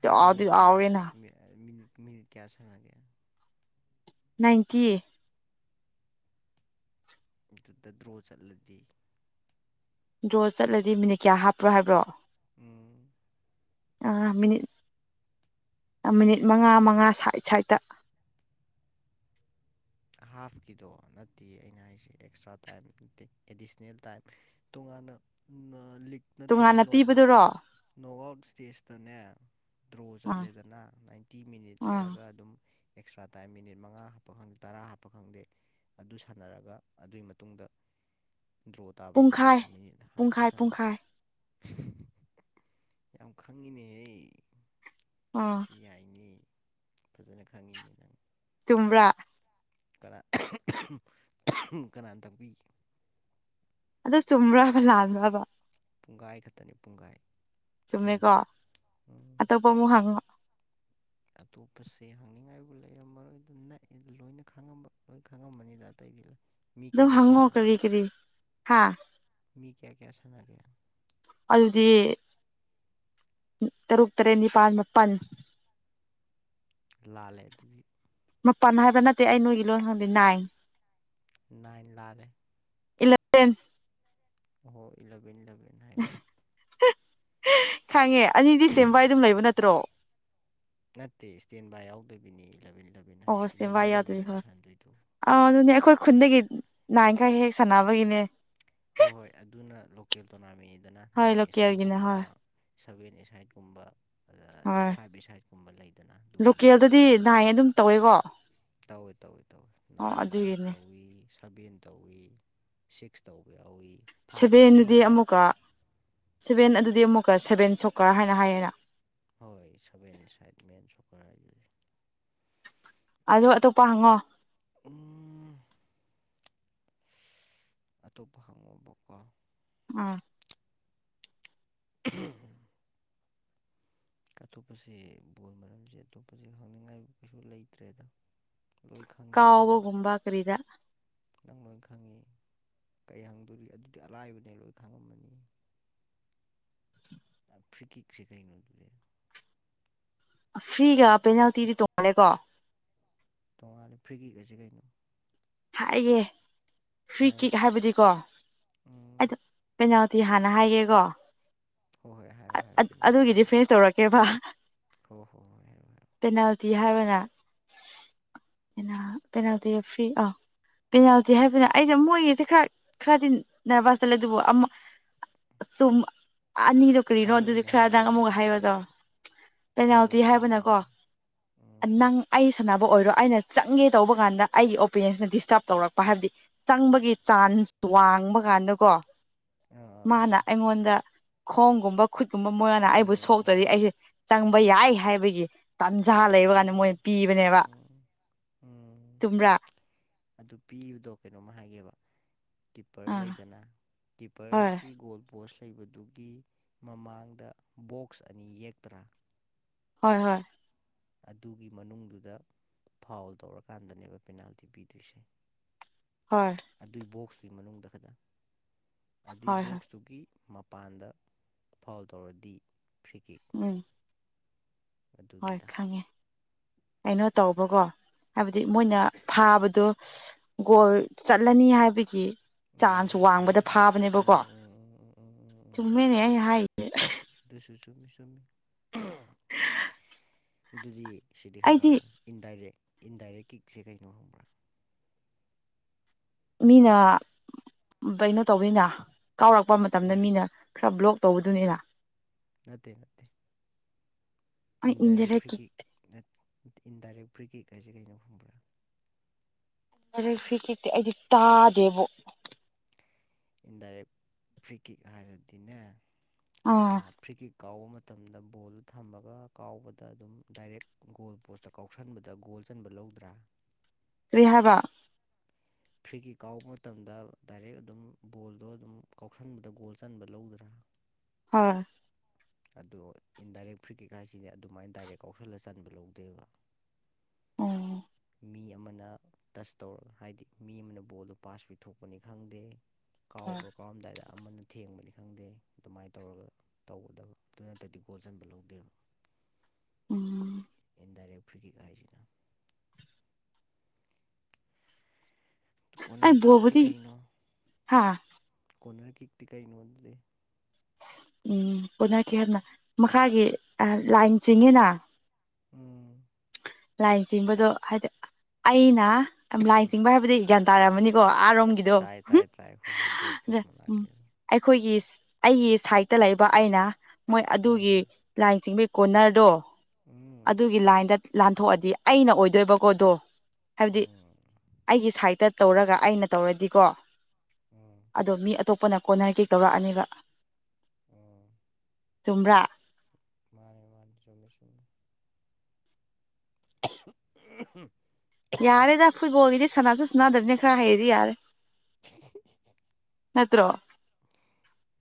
ꯑꯗꯨ ꯆꯥꯎꯗꯤ ꯃꯤꯅꯤꯠ ꯀꯌꯥ ꯆꯥꯎꯔꯦꯅ ꯃꯤꯅꯤꯠ ꯃꯤꯅꯤꯠ ꯀꯌꯥ ꯁꯥꯅꯒꯦ ꯅꯥꯏꯟꯇꯤ ꯑꯗꯨꯗ ꯗ꯭ꯔꯣ ꯆꯠꯂꯗꯤ ꯗꯔꯣ ꯆꯠꯂꯗꯤ ꯃꯤꯅꯤꯠ ꯀꯌꯥ ꯍꯥꯞꯄ꯭ꯔꯣ ꯍꯥꯏꯕ꯭ꯔꯣ ꯎꯝ ꯑꯥ ꯃꯤꯅꯤꯠ ꯃꯤꯅꯤꯠ ꯃꯉꯥ ꯃꯉꯥ ꯁꯥꯏꯠ ꯁꯥꯏꯠꯇ ꯍꯥꯐꯀꯤꯗꯣ ꯅꯠꯇꯦ ꯑꯩꯅ ꯍꯥꯏꯁꯦ ꯑꯦꯛꯁꯇ꯭ꯔꯥ ꯇꯥꯏꯝ ꯑꯦꯗꯤꯁꯅꯦꯜ ꯇꯥꯏꯝ ꯇꯣꯉꯥꯟ ꯂꯤꯛ ꯅꯠꯇꯕ ꯇꯣꯉꯥꯟꯅ ꯅꯣꯛ ꯑꯥꯎꯠ ꯄꯤꯕꯗꯨꯔꯣ ꯅꯣꯛ ꯑꯥꯎꯠ ꯏꯁꯇꯦꯖꯇꯅꯦ ꯗ꯭ꯔꯣ ꯑꯥ ꯆꯠꯂꯦꯗꯅ ꯅꯥꯏꯟꯇꯤ ꯃꯤꯅꯤꯠ ꯑꯥ ꯂꯩꯔꯒ ꯑꯗꯨꯝ ꯑꯦꯛꯁꯇ꯭ꯔꯥ ꯇꯥꯏꯝ ꯃꯤꯅꯤꯠ ꯃꯉꯥ ꯍꯥꯞꯄ ꯈꯪꯗ ꯇꯔꯥ ꯍꯥꯞꯄ ꯈꯪꯗꯦ ꯑꯗꯨ ꯁꯥꯟꯅꯔꯒ ꯑꯗꯨꯒꯤ ꯃꯇꯨꯡꯗ ꯗ꯭ꯔꯣ ꯇꯥꯕꯒꯤ ꯄꯨꯡꯈꯥꯏ ꯃꯤꯅꯤꯠ ꯍꯥꯞꯄ ꯄꯨꯡꯈꯥꯏ ꯁꯥꯟꯅꯕꯗꯣ ꯄꯨꯡꯈꯥꯏ ꯌꯥꯝ ꯈꯪꯉꯤꯅꯦ ꯅꯪ ꯑꯥ ꯁꯤ ꯌꯥꯏꯅꯦ ꯐꯖꯅ ꯈꯪꯉꯤꯅꯦ ꯅꯪ ꯆꯨꯝꯕ꯭ꯔꯥ ꯀꯅꯥ ꯀꯅꯥꯅ ꯇꯥꯛꯄꯤꯒꯦ ꯑꯗ ꯆꯨꯝꯕ꯭ꯔꯥꯕ ꯂꯥꯟꯕ꯭ꯔꯕ ꯄꯨꯡꯈꯥꯏ ꯈꯛꯇꯅꯤ ꯄꯨꯡꯈꯥꯏ ꯆꯨꯝꯃꯤ ꯆꯨꯝꯃꯦꯀꯣ ꯎꯝ ꯑꯇꯣꯞꯄ ꯑꯃꯨꯛ ꯍꯪꯉꯣ ꯑꯄꯁꯦ ꯍꯪꯅꯤꯡꯉꯥꯏꯕꯨ ꯂꯩꯔꯝꯃꯔꯣꯏ ꯑꯗꯨ ꯅ ꯂꯣꯏꯅ ꯈꯪꯉꯝꯕ ꯂꯣꯏ ꯈꯪꯉꯝꯕꯅꯤꯗ ꯑꯇꯩꯗꯤ ꯃꯤ ꯀꯌꯥ ꯑꯗꯨꯝ ꯀꯌꯥ ꯍꯪꯉꯣ ꯁꯥꯟꯅꯒꯦ ꯀꯔꯤ ꯀꯔꯤ ꯍꯥꯥ ꯀꯦꯁꯅꯒꯦ ꯑꯗꯨꯗꯤ ꯇꯔꯨꯛ ꯇꯔꯦꯠ ꯅꯤꯄꯥꯜ ꯃꯥꯄꯜ ꯂꯥꯜꯂꯦ ꯃꯄꯜ ꯍꯥꯏꯕ ꯅꯠꯇꯦ ꯑꯩ ꯅꯣꯏꯒꯤ ꯂꯣꯟ ꯈꯪꯗꯦ ꯅꯥꯏꯟ ꯅꯥꯏꯟ ꯂꯥꯜꯂꯦ ꯏꯂꯚꯦꯟ ꯍꯣ ꯏꯂꯚꯦꯟ ꯏꯂꯚꯦꯟ ꯍꯥꯏꯌꯣ ꯈꯪꯉꯦ ꯑꯅꯤꯗꯤ ꯏꯇꯦꯝꯕꯥꯏ ꯑꯗꯨꯝ ꯂꯩꯕ ꯅꯠꯇ꯭ꯔꯣ ꯅꯠꯇꯦ ꯏꯁꯇꯦꯟ ꯕꯥꯏ ꯌꯥꯎꯗꯕꯤꯅꯤ ꯏꯂꯚꯦꯟ ꯏꯂꯚꯦꯟ ꯑꯣ ꯍꯥꯏꯁꯦ ꯁꯦ ꯏꯂꯚꯦꯟ ꯋꯥꯏ ꯌꯥꯗꯣꯏꯔꯤ ꯏꯂꯚꯦꯟꯅꯤ ꯍꯣꯏ ꯁꯥꯟꯅꯗꯣꯏꯗꯣ ꯑ ꯑꯗꯨꯅꯦ ꯑꯩꯈꯣꯏ ꯈꯨꯟꯗꯒꯤ ꯅꯥꯏꯟ ꯈꯛ ꯍꯦꯛ ꯁꯥꯟꯅꯕꯒꯤꯅꯦ ꯍꯣꯏ ꯍꯣꯏ ꯑꯗꯨꯅ ꯂꯣꯀꯦꯜ ꯇꯣꯔꯅꯥꯃꯦꯟꯅꯤꯗꯅ ꯍꯣꯏ ꯅꯥꯏꯟ ꯂꯣꯀꯦꯜꯒꯤꯅ ꯑꯦꯁꯥꯏꯠꯀꯨꯝꯕ ꯍꯣꯏ ꯁꯚꯦꯟ ꯑꯦꯁꯥꯏꯠꯀꯨꯝꯕ ꯑꯗ ꯍꯣꯏ ꯐꯥꯏꯚ ꯑꯦꯁꯥꯏꯠꯀꯨꯝꯕ ꯂꯩꯗꯅ ꯑꯗꯨꯒꯨꯝꯕꯩꯅ ꯂꯣꯀꯦꯜꯗꯗꯤ ꯅꯥꯏꯟ ꯑꯗꯨꯝ ꯇꯧꯋꯦꯀꯣ ꯇꯧꯏ ꯇꯧꯏ ꯇꯧꯏ ꯑꯣ ꯅꯥꯏꯟ ꯑꯗꯨꯒꯤꯅꯦ ꯇꯧꯏ ꯁꯚꯦꯟ ꯇꯧꯏ ꯁꯤꯛꯁ ꯇꯧ ꯁꯦꯚꯦꯟꯗꯨꯗꯤ ꯑꯃꯨꯛꯀ ꯁꯦꯚꯦꯟ ꯇꯧꯏ ꯑꯗꯨꯗꯤ ꯀꯩꯅꯣ ꯑꯃꯨꯛꯀ ꯁꯦꯚꯦꯟ ꯁꯣꯛꯀ ꯀꯔ ꯍꯥꯏꯅ ꯍꯥꯏꯌꯦꯅ ꯍꯣꯏ ꯁꯚꯦꯟ ꯁꯥꯢꯠ ꯃꯦꯟ ꯁꯣꯀꯔ ꯍꯥꯏꯗꯨꯗꯤ ꯑꯗꯣ ꯑꯇꯣꯞꯄ ꯍꯪꯉꯣ ꯎꯝ ꯑꯇꯣꯞꯄ ꯍꯪꯉꯣꯕꯀꯣ ꯑꯥ ꯎꯍ ꯑꯇꯣꯞꯄꯁꯦ ꯕꯣꯜ ꯃꯔꯝꯁꯦ ꯑꯇꯣꯞꯄꯁꯦ ꯍꯪꯅꯤꯡꯉꯥꯏ ꯀꯩꯁꯨ ꯂꯩꯇ꯭ꯔꯦꯗ ꯂꯣꯏ ꯈꯪꯉꯦꯗ ꯅꯪ ꯀꯥꯎꯕꯒꯨꯝꯕꯥ ꯀꯔꯤꯗ ꯅꯪ ꯂꯣꯢ ꯈꯪꯉꯤ ꯀꯩ ꯍꯪꯗꯣꯔꯤ ꯑꯗꯨꯗꯤ ꯑꯔꯥꯏꯕꯅꯦ ꯂꯣꯏ ꯈꯪꯉꯝꯃꯅꯤ ꯑ ꯐ꯭ꯀꯤꯁꯤ ꯀꯩꯅꯣ ꯑꯗꯨꯗꯤ ꯐ꯭ꯔꯤꯒ ꯄꯦꯅꯥꯜꯇꯤꯗꯤ ꯇꯣꯞꯅꯦꯀꯣ ꯇꯣꯡꯉꯥꯜꯂꯦ ꯐ꯭ꯔꯤꯒꯤꯒꯁꯦ ꯀꯩꯅꯣ ꯍꯥꯏꯌꯒꯦ ꯐ꯭ꯔꯤ ꯍꯥꯏꯌꯣ ꯀꯤꯛ ꯍꯥꯏꯕꯗꯤꯀꯣ ꯎꯝ ꯑꯩꯗꯣ ꯑꯗꯨꯗꯤ ꯍꯥꯟꯅ ꯍꯥꯏꯒꯦꯀꯣ ꯍꯣꯏ ꯍꯣꯏ ꯍꯥꯏꯔꯣ ꯍꯥꯏꯔꯣ ꯄꯦꯅꯥꯜꯇꯤ ꯑꯗꯨꯒꯤꯗꯤ ꯍꯥꯏꯔꯣ ꯐ꯭ꯔꯦꯟꯁ ꯇꯧꯔꯛꯀꯦꯕ ꯍꯣꯏ ꯍꯣꯏ ꯍꯣꯏ ꯍꯥꯏꯔꯣ ꯍꯥꯏꯔꯣ ꯄꯦꯅꯥꯜꯇꯤ ꯍꯥꯏꯕ ꯄꯦꯅꯥꯜꯇꯤ ꯐꯔꯤ ꯑ ꯄꯦꯅꯥꯜꯇꯤ ꯍꯥꯏꯕꯅ ꯑꯩꯁꯦ ꯃꯣꯏꯒꯤꯁꯦ ꯈꯔ ꯈꯔꯗꯤ ꯅꯔꯚꯁꯇꯠ ꯂꯩ ꯑꯗꯨꯕꯨ ꯁꯨꯝ ꯑꯅꯤꯗꯣ ꯀꯔꯤꯅꯣ ꯑꯗꯨꯗꯤ ꯍꯥꯏꯔꯛꯑꯣꯅꯦ ꯈꯔꯗꯪ ꯍꯥꯏꯔꯛꯑꯣꯅꯦ ꯑꯃꯨꯛꯀ ꯍꯥꯏꯕꯗꯣ ꯍꯥꯏꯔꯛꯑꯣꯅꯦ ꯄꯦꯅꯥꯜꯇꯤ ꯍꯥꯏꯔꯛꯑꯣꯅꯦ ꯍꯥꯏꯕꯅꯀꯣ ꯍꯥꯏꯔꯛꯑꯣꯅꯦ ꯎꯝ ꯅꯪ ꯑꯩ ꯁꯥꯟꯅꯕ ꯑꯣꯏꯔꯣ ꯑꯩꯅ ꯆꯪꯒꯦ ꯇꯧꯕ ꯀꯥꯟꯗ ꯑꯩꯒꯤ ꯑꯣꯄꯤꯅꯤꯌꯟꯁꯤꯅꯗꯤ ꯍꯞ ꯇꯧꯔꯛꯄ ꯍꯥꯏꯕꯗꯤ ꯆꯪꯕꯒꯤ ꯆꯥꯟꯁ ꯋꯥꯡꯕ ꯀꯥꯟꯗꯀꯣ ꯑꯥ ꯃꯥꯅ ꯑꯩꯉꯣꯟꯗ ꯈꯣꯡꯒꯨꯝꯕ ꯈꯨꯠꯀꯨꯝꯕ ꯃꯣꯏꯅ ꯑꯩꯕꯨ ꯎꯝ ꯁꯣꯛꯇ꯭ꯔꯗꯤ ꯑꯩꯁꯦ ꯆꯪꯕ ꯌꯥꯏ ꯍꯥꯏꯕꯒꯤ ꯇꯟꯖꯥ ꯂꯩꯕ ꯀꯥꯟꯗ ꯎꯝ ꯃꯣꯏꯅ ꯄꯤꯕꯅꯦꯕ ꯎꯝ ꯎꯝ ꯆꯨꯝꯕ꯭ꯔꯥ ꯑꯗꯨ ꯄꯤꯕꯗꯣ ꯀꯩꯅꯣꯝꯃ ꯍꯥꯏꯒꯦꯕ ꯀꯤꯞꯄꯔ ꯑꯥ ꯂꯩꯗꯅ ꯍꯣꯏ ꯀꯤꯞꯄꯔꯒꯤ ꯒꯣꯜ ꯄꯣꯁ ꯂꯩꯕꯗꯨꯒꯤ ꯃꯃꯥꯡꯗ ꯕꯣꯛꯁ ꯑꯅꯤ ꯌꯦꯛꯇ꯭ꯔꯥ ꯍꯣꯏ ꯍꯣꯏ ꯑꯗꯨꯒꯤ ꯃꯅꯨꯡꯗꯨꯗ ꯐꯥꯎꯜ ꯇꯧꯔꯀꯥꯟꯗꯅꯦꯕ ꯄꯦꯅꯥꯜꯇꯤ ꯄꯤꯗ꯭ꯣꯏꯁꯦ ꯍꯣꯏ ꯑꯗꯨꯏ ꯕꯣꯛꯁꯇꯨꯒꯤ ꯃꯅꯨꯡꯗ ꯈꯛꯇꯪ ꯑꯗꯨꯏ ꯍꯣꯏ ꯍꯣꯏ ꯕꯣꯛꯁꯇꯨꯒꯤ ꯃꯄꯥꯟꯗ ꯐꯥꯎꯜ ꯇꯧꯔꯗꯤ ꯐ꯭ꯔꯤ ꯀꯤꯛ ꯎꯝ ꯍꯣꯏ ꯑꯗꯨꯅꯤꯗ ꯈꯪꯉꯦ ꯀꯩꯅꯣ ꯇꯧꯕꯀꯣ ꯍꯥꯏꯕꯗꯤ ꯃꯣꯏꯅ ꯊꯥꯕꯗꯣ ꯒꯣꯜ ꯆꯠꯂꯅꯤ ꯍꯥꯏꯕꯒꯤ ꯎꯝ ꯎꯝ ꯎꯝ ꯎꯝ ꯆꯥꯡꯁꯨ ꯋꯥꯡꯕꯗ ꯐꯥꯕꯅꯦꯕꯀꯣ ꯎꯝ ꯆꯨꯝꯃꯦꯅꯦ ꯑꯩꯅ ꯍꯥꯏꯔꯤꯁꯦ ꯗꯨꯁꯨ ꯆꯨꯃꯤ ꯆꯨꯃꯤ ꯑꯗꯨꯗꯤ ꯁꯤꯗꯤ ꯑꯩꯗꯤ ꯈꯪꯉꯝꯃꯅꯤ ꯏꯟꯗꯥꯏꯔꯦꯛ ꯏꯟꯗꯥꯏꯔꯦꯛ ꯀꯤꯛꯁꯦ ꯀꯩꯅꯣ ꯈꯪꯕ꯭ꯔꯥ ꯃꯤꯅ ꯀꯩꯅꯣ ꯇꯧꯕꯋꯅ ꯀꯥꯎꯔꯛꯄ ꯃꯇꯝꯗ ꯀꯩ ꯃꯤꯅ ꯈꯔ ꯕ꯭ꯂꯣꯛ ꯇꯧꯕꯗꯨꯅꯤꯅ ꯅꯠꯇꯦ ꯅꯠꯇꯦ ꯑꯩ ꯏꯟꯗꯥꯏꯔꯦꯛ ꯀꯤꯛ ꯚ꯭ꯔꯤꯀꯤꯛ ꯏꯟꯗꯥꯏꯔꯦꯛ ꯚ꯭ꯔꯤꯀꯤꯛ ꯍꯥꯏꯁꯦ ꯀꯩꯅꯣ ꯈꯪꯕ꯭ꯔꯥ ꯑꯔ ꯐ ꯀꯦꯛꯇꯤ ꯑꯩꯗꯤ ꯇꯥꯗꯦꯕ ꯏꯟꯗꯥꯏꯔꯦꯛ ꯐ꯭ꯔꯤꯀꯤꯛ ꯍꯥꯏꯔꯗꯤꯅꯦ ꯑꯥ ꯐ꯭ꯔꯤꯀꯤꯛ ꯀꯥꯎꯕ ꯃꯇꯝꯗ ꯕꯣꯜꯗ ꯊꯝꯃꯒ ꯀꯥꯎꯕꯗ ꯑꯗꯨꯝ ꯗꯥꯏꯔꯦꯛ ꯒꯣꯜ ꯄꯣꯁꯇ ꯀꯥꯎꯁꯟꯕꯗ ꯣꯜ ꯄꯨꯣꯟꯆꯟꯕ ꯂꯧꯗ꯭ꯔꯥ ꯔꯤꯍꯕ ꯐ꯭ꯔꯤꯒꯤ ꯀꯥꯎꯕ ꯃꯇꯝꯗ ꯗꯥꯏꯔꯦꯛ ꯑꯗꯨꯝ ꯕꯣꯜꯗꯣ ꯑꯗꯨꯝ ꯀꯥꯎꯁꯟꯕꯗ ꯒꯣꯜ ꯆꯟꯕ ꯂꯧꯗ꯭ꯔꯥ ꯍꯣꯏ ꯑꯗꯣ ꯏꯟꯗꯥꯏꯔꯦꯛ ꯐ꯭ꯔꯤꯀꯦꯀꯥꯏꯁꯤꯅꯦ ꯑꯗꯨꯃꯥꯏꯅ ꯗꯥꯏꯔꯦꯛ ꯀꯥꯎꯁꯜꯂ ꯆꯟꯕ ꯂꯧꯗꯦꯕ ꯎꯝ ꯃꯤ ꯑꯃꯅ ꯇꯁ ꯇꯧꯔꯒ ꯍꯥꯏꯗꯤ ꯃꯤ ꯑꯃꯅ ꯕꯣꯜꯗꯣ ꯄꯥꯁ ꯄꯤꯊꯣꯛꯄꯅꯤ ꯈꯪꯗꯦ ꯀꯥꯎꯕ ꯀꯥꯎꯔꯝꯗꯥꯏꯗ ꯑꯃꯅ ꯊꯦꯡꯕꯅꯤ ꯈꯪꯗꯦ ꯑꯗꯨꯃꯥꯏꯅ ꯇꯧꯔꯒ ꯇꯧꯒꯗꯕ ꯑꯗꯨ ꯅꯠꯇꯗꯤ ꯒꯣꯜ ꯆꯟꯕ ꯂꯧꯗꯦꯕ ꯎꯝ ꯗꯥꯏꯔꯦꯛ ꯐꯔꯒꯤꯀ ꯍꯥꯏꯁꯤꯅ ꯑꯩ ꯀꯣꯔꯅꯔ ꯀꯤꯛꯇꯤ ꯕꯕꯗꯤꯤ ꯍꯥꯥ ꯀꯣꯟꯅꯔ ꯀꯤꯛꯇꯤ ꯀꯔꯤꯩꯅꯣ ꯑꯗꯨꯗꯤ ꯎꯝ ꯄꯨꯅꯈꯤ ꯍꯥꯏꯅ ꯃꯈꯥꯒꯤ ꯂꯥꯏꯟ ꯆꯤꯡꯉꯤꯅ ꯎꯝ ꯂꯥꯏꯟ ꯆꯤꯡꯕꯗꯣ ꯍꯥꯏꯗꯤ ꯑꯩꯅ ꯂꯥꯏꯟ ꯆꯤꯡꯕ ꯍꯥꯏꯕꯗꯤ ꯒ꯭ꯌꯥꯟ ꯇꯥꯔꯛꯝꯃꯅꯤꯀꯣ ꯑꯔꯣꯝꯒꯤꯗꯣ ꯇꯥꯏ ꯇꯥꯏ ꯇꯥꯏ ꯍꯣꯏ ꯍꯣꯏ ꯒꯣꯜ ꯑꯗ ꯄꯣꯁ ꯎ ꯃꯅꯥꯛꯀꯤ ꯑꯩꯈꯣꯏꯒꯤ ꯑꯩꯒꯤ ꯁꯥꯏꯠꯇ ꯂꯩꯕ ꯑꯩꯅ ꯃꯣꯏ ꯑꯗꯨꯒꯤ ꯎꯝ ꯂꯥꯏꯟ ꯆꯤꯡꯕ ꯀ ꯀꯣꯔꯅꯔꯗꯣ ꯎꯝ ꯑꯗꯨꯒꯤ ꯂꯥꯏꯟꯗ ꯂꯥꯟꯊꯣꯛꯑꯗꯤ ꯑꯩꯅ ꯑꯣꯏꯗꯣꯏꯕꯀꯣꯗꯣ ꯍꯥꯏꯕꯗꯤ ꯎꯝ ꯑꯩꯒꯤ ꯁꯥꯏꯠꯇ ꯇꯧꯔꯒ ꯑꯩꯅ ꯇꯧꯔꯗꯤꯀꯣ ꯎꯝ ꯑꯗꯣ ꯃꯤ ꯑꯇꯣꯞꯄꯅ ꯀꯣꯟꯅꯔ ꯀꯦꯛ ꯇꯧꯔꯛꯑꯅꯦꯕ ꯎꯝ ꯆꯨꯝ꯭ꯔꯥ ꯃꯥꯅꯦ ꯃꯥꯅꯦ ꯆꯨꯝꯃꯦ ꯆꯨꯝꯃꯦ [unintelligible] ꯌꯥꯔꯦꯗ ꯑꯩꯈꯣꯏꯕ ꯑꯣꯏꯈꯤꯗꯤ ꯁꯅꯥꯁꯨ ꯁꯅꯥꯗꯕꯅꯦ ꯈꯔ ꯍꯩꯔꯗꯤ ꯌꯥꯔꯦ [unintelligible] ꯅꯠꯇ꯭ꯔꯣ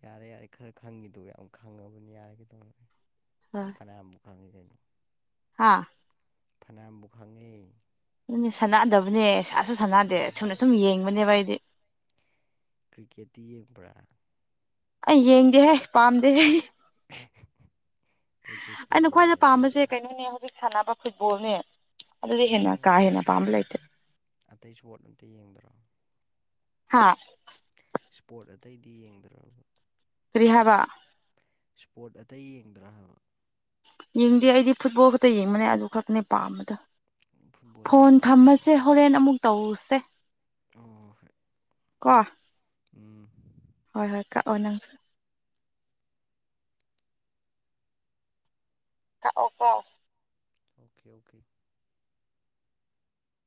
ꯌꯥꯔꯦ ꯌꯥꯔꯦ ꯈꯔ ꯈꯪꯉꯤꯗꯣ ꯌꯥꯝ ꯈꯪꯉꯕꯅꯤ ꯌꯥꯔꯦꯒꯗꯧ ꯐꯅꯥꯃꯨꯛ ꯈꯪꯉꯤ ꯀꯅꯣ ꯍꯥꯥ ꯐꯅꯌꯥꯝꯕꯨꯛ ꯈꯪꯉꯤ ꯑꯗꯨꯅꯦ ꯁꯥꯟꯅꯗꯕꯅꯦ ꯁꯥꯁꯨ ꯁꯥꯟꯅꯗꯦ ꯎꯝ ꯁꯁꯨꯝꯅ ꯁꯨꯝ ꯌꯦꯡꯕꯅꯦꯕ ꯑꯩꯗꯤ ꯀ꯭ꯔꯤꯀꯦꯠꯇꯤ ꯌꯦꯡꯕ꯭ꯔꯥ ꯑꯩ ꯌꯦꯡꯒꯦꯍꯦ ꯄꯥꯝꯗꯦꯍꯦ ꯀꯩꯀꯩ ꯑꯩꯅ ꯏꯁꯄꯣꯔꯠ ꯈ꯭ꯋꯥꯏꯗ ꯌꯦꯡꯉꯤ ꯑꯇꯩꯗꯤ ꯄꯥꯝꯕꯁꯦ ꯀꯩꯅꯣꯅꯦ ꯍꯧꯖꯤꯛ ꯁꯥꯟꯅꯕ ꯐꯨꯠꯕꯣꯜꯅꯦ ꯑꯗꯨꯗꯒꯤ ꯍꯦꯅ ꯀꯥ ꯎꯝ ꯍꯦꯅ ꯄꯥꯝꯕꯂꯥꯏꯇ ꯑꯇꯩ ꯏꯁꯄꯣꯔꯠ ꯑꯝꯇ ꯌꯦꯡꯗ꯭ꯔꯣ ꯍꯥꯥ ꯏꯁꯄꯣꯔꯠ ꯑꯇꯩꯗꯤ ꯌꯦꯡꯗ꯭ꯔꯕ ꯔꯤꯍꯕ ꯏꯁꯄꯣꯔꯠ ꯑꯇꯩ ꯌꯦꯡꯗ꯭ꯔꯥ ꯍꯥꯏꯕ ꯌꯦꯡꯗꯦ ꯑꯩꯗꯤ ꯐꯨꯠꯕꯣꯜ ꯈꯛꯇ ꯌꯦꯡꯕꯅꯦ ꯑꯗꯨ ꯈꯛꯇꯅꯦ ꯄꯥꯝꯕꯗ ꯐꯨꯠꯕꯣꯜ ꯐꯣꯟ ꯂꯚꯔ ꯇꯥꯔꯦꯅꯦ ꯊꯝꯃꯁꯦ ꯍꯣꯔꯦꯟ ꯑꯃꯨꯛ ꯇꯧꯁꯦ ꯑꯣ ꯍꯣꯏ ꯀꯣ ꯎꯝ ꯍꯣꯏ ꯍꯣꯏ ꯀꯥꯛꯑꯣ ꯅꯪꯁꯨ ꯀꯥꯛꯑꯣꯀꯣ ꯑꯣꯀꯦ ꯑꯣꯀꯦ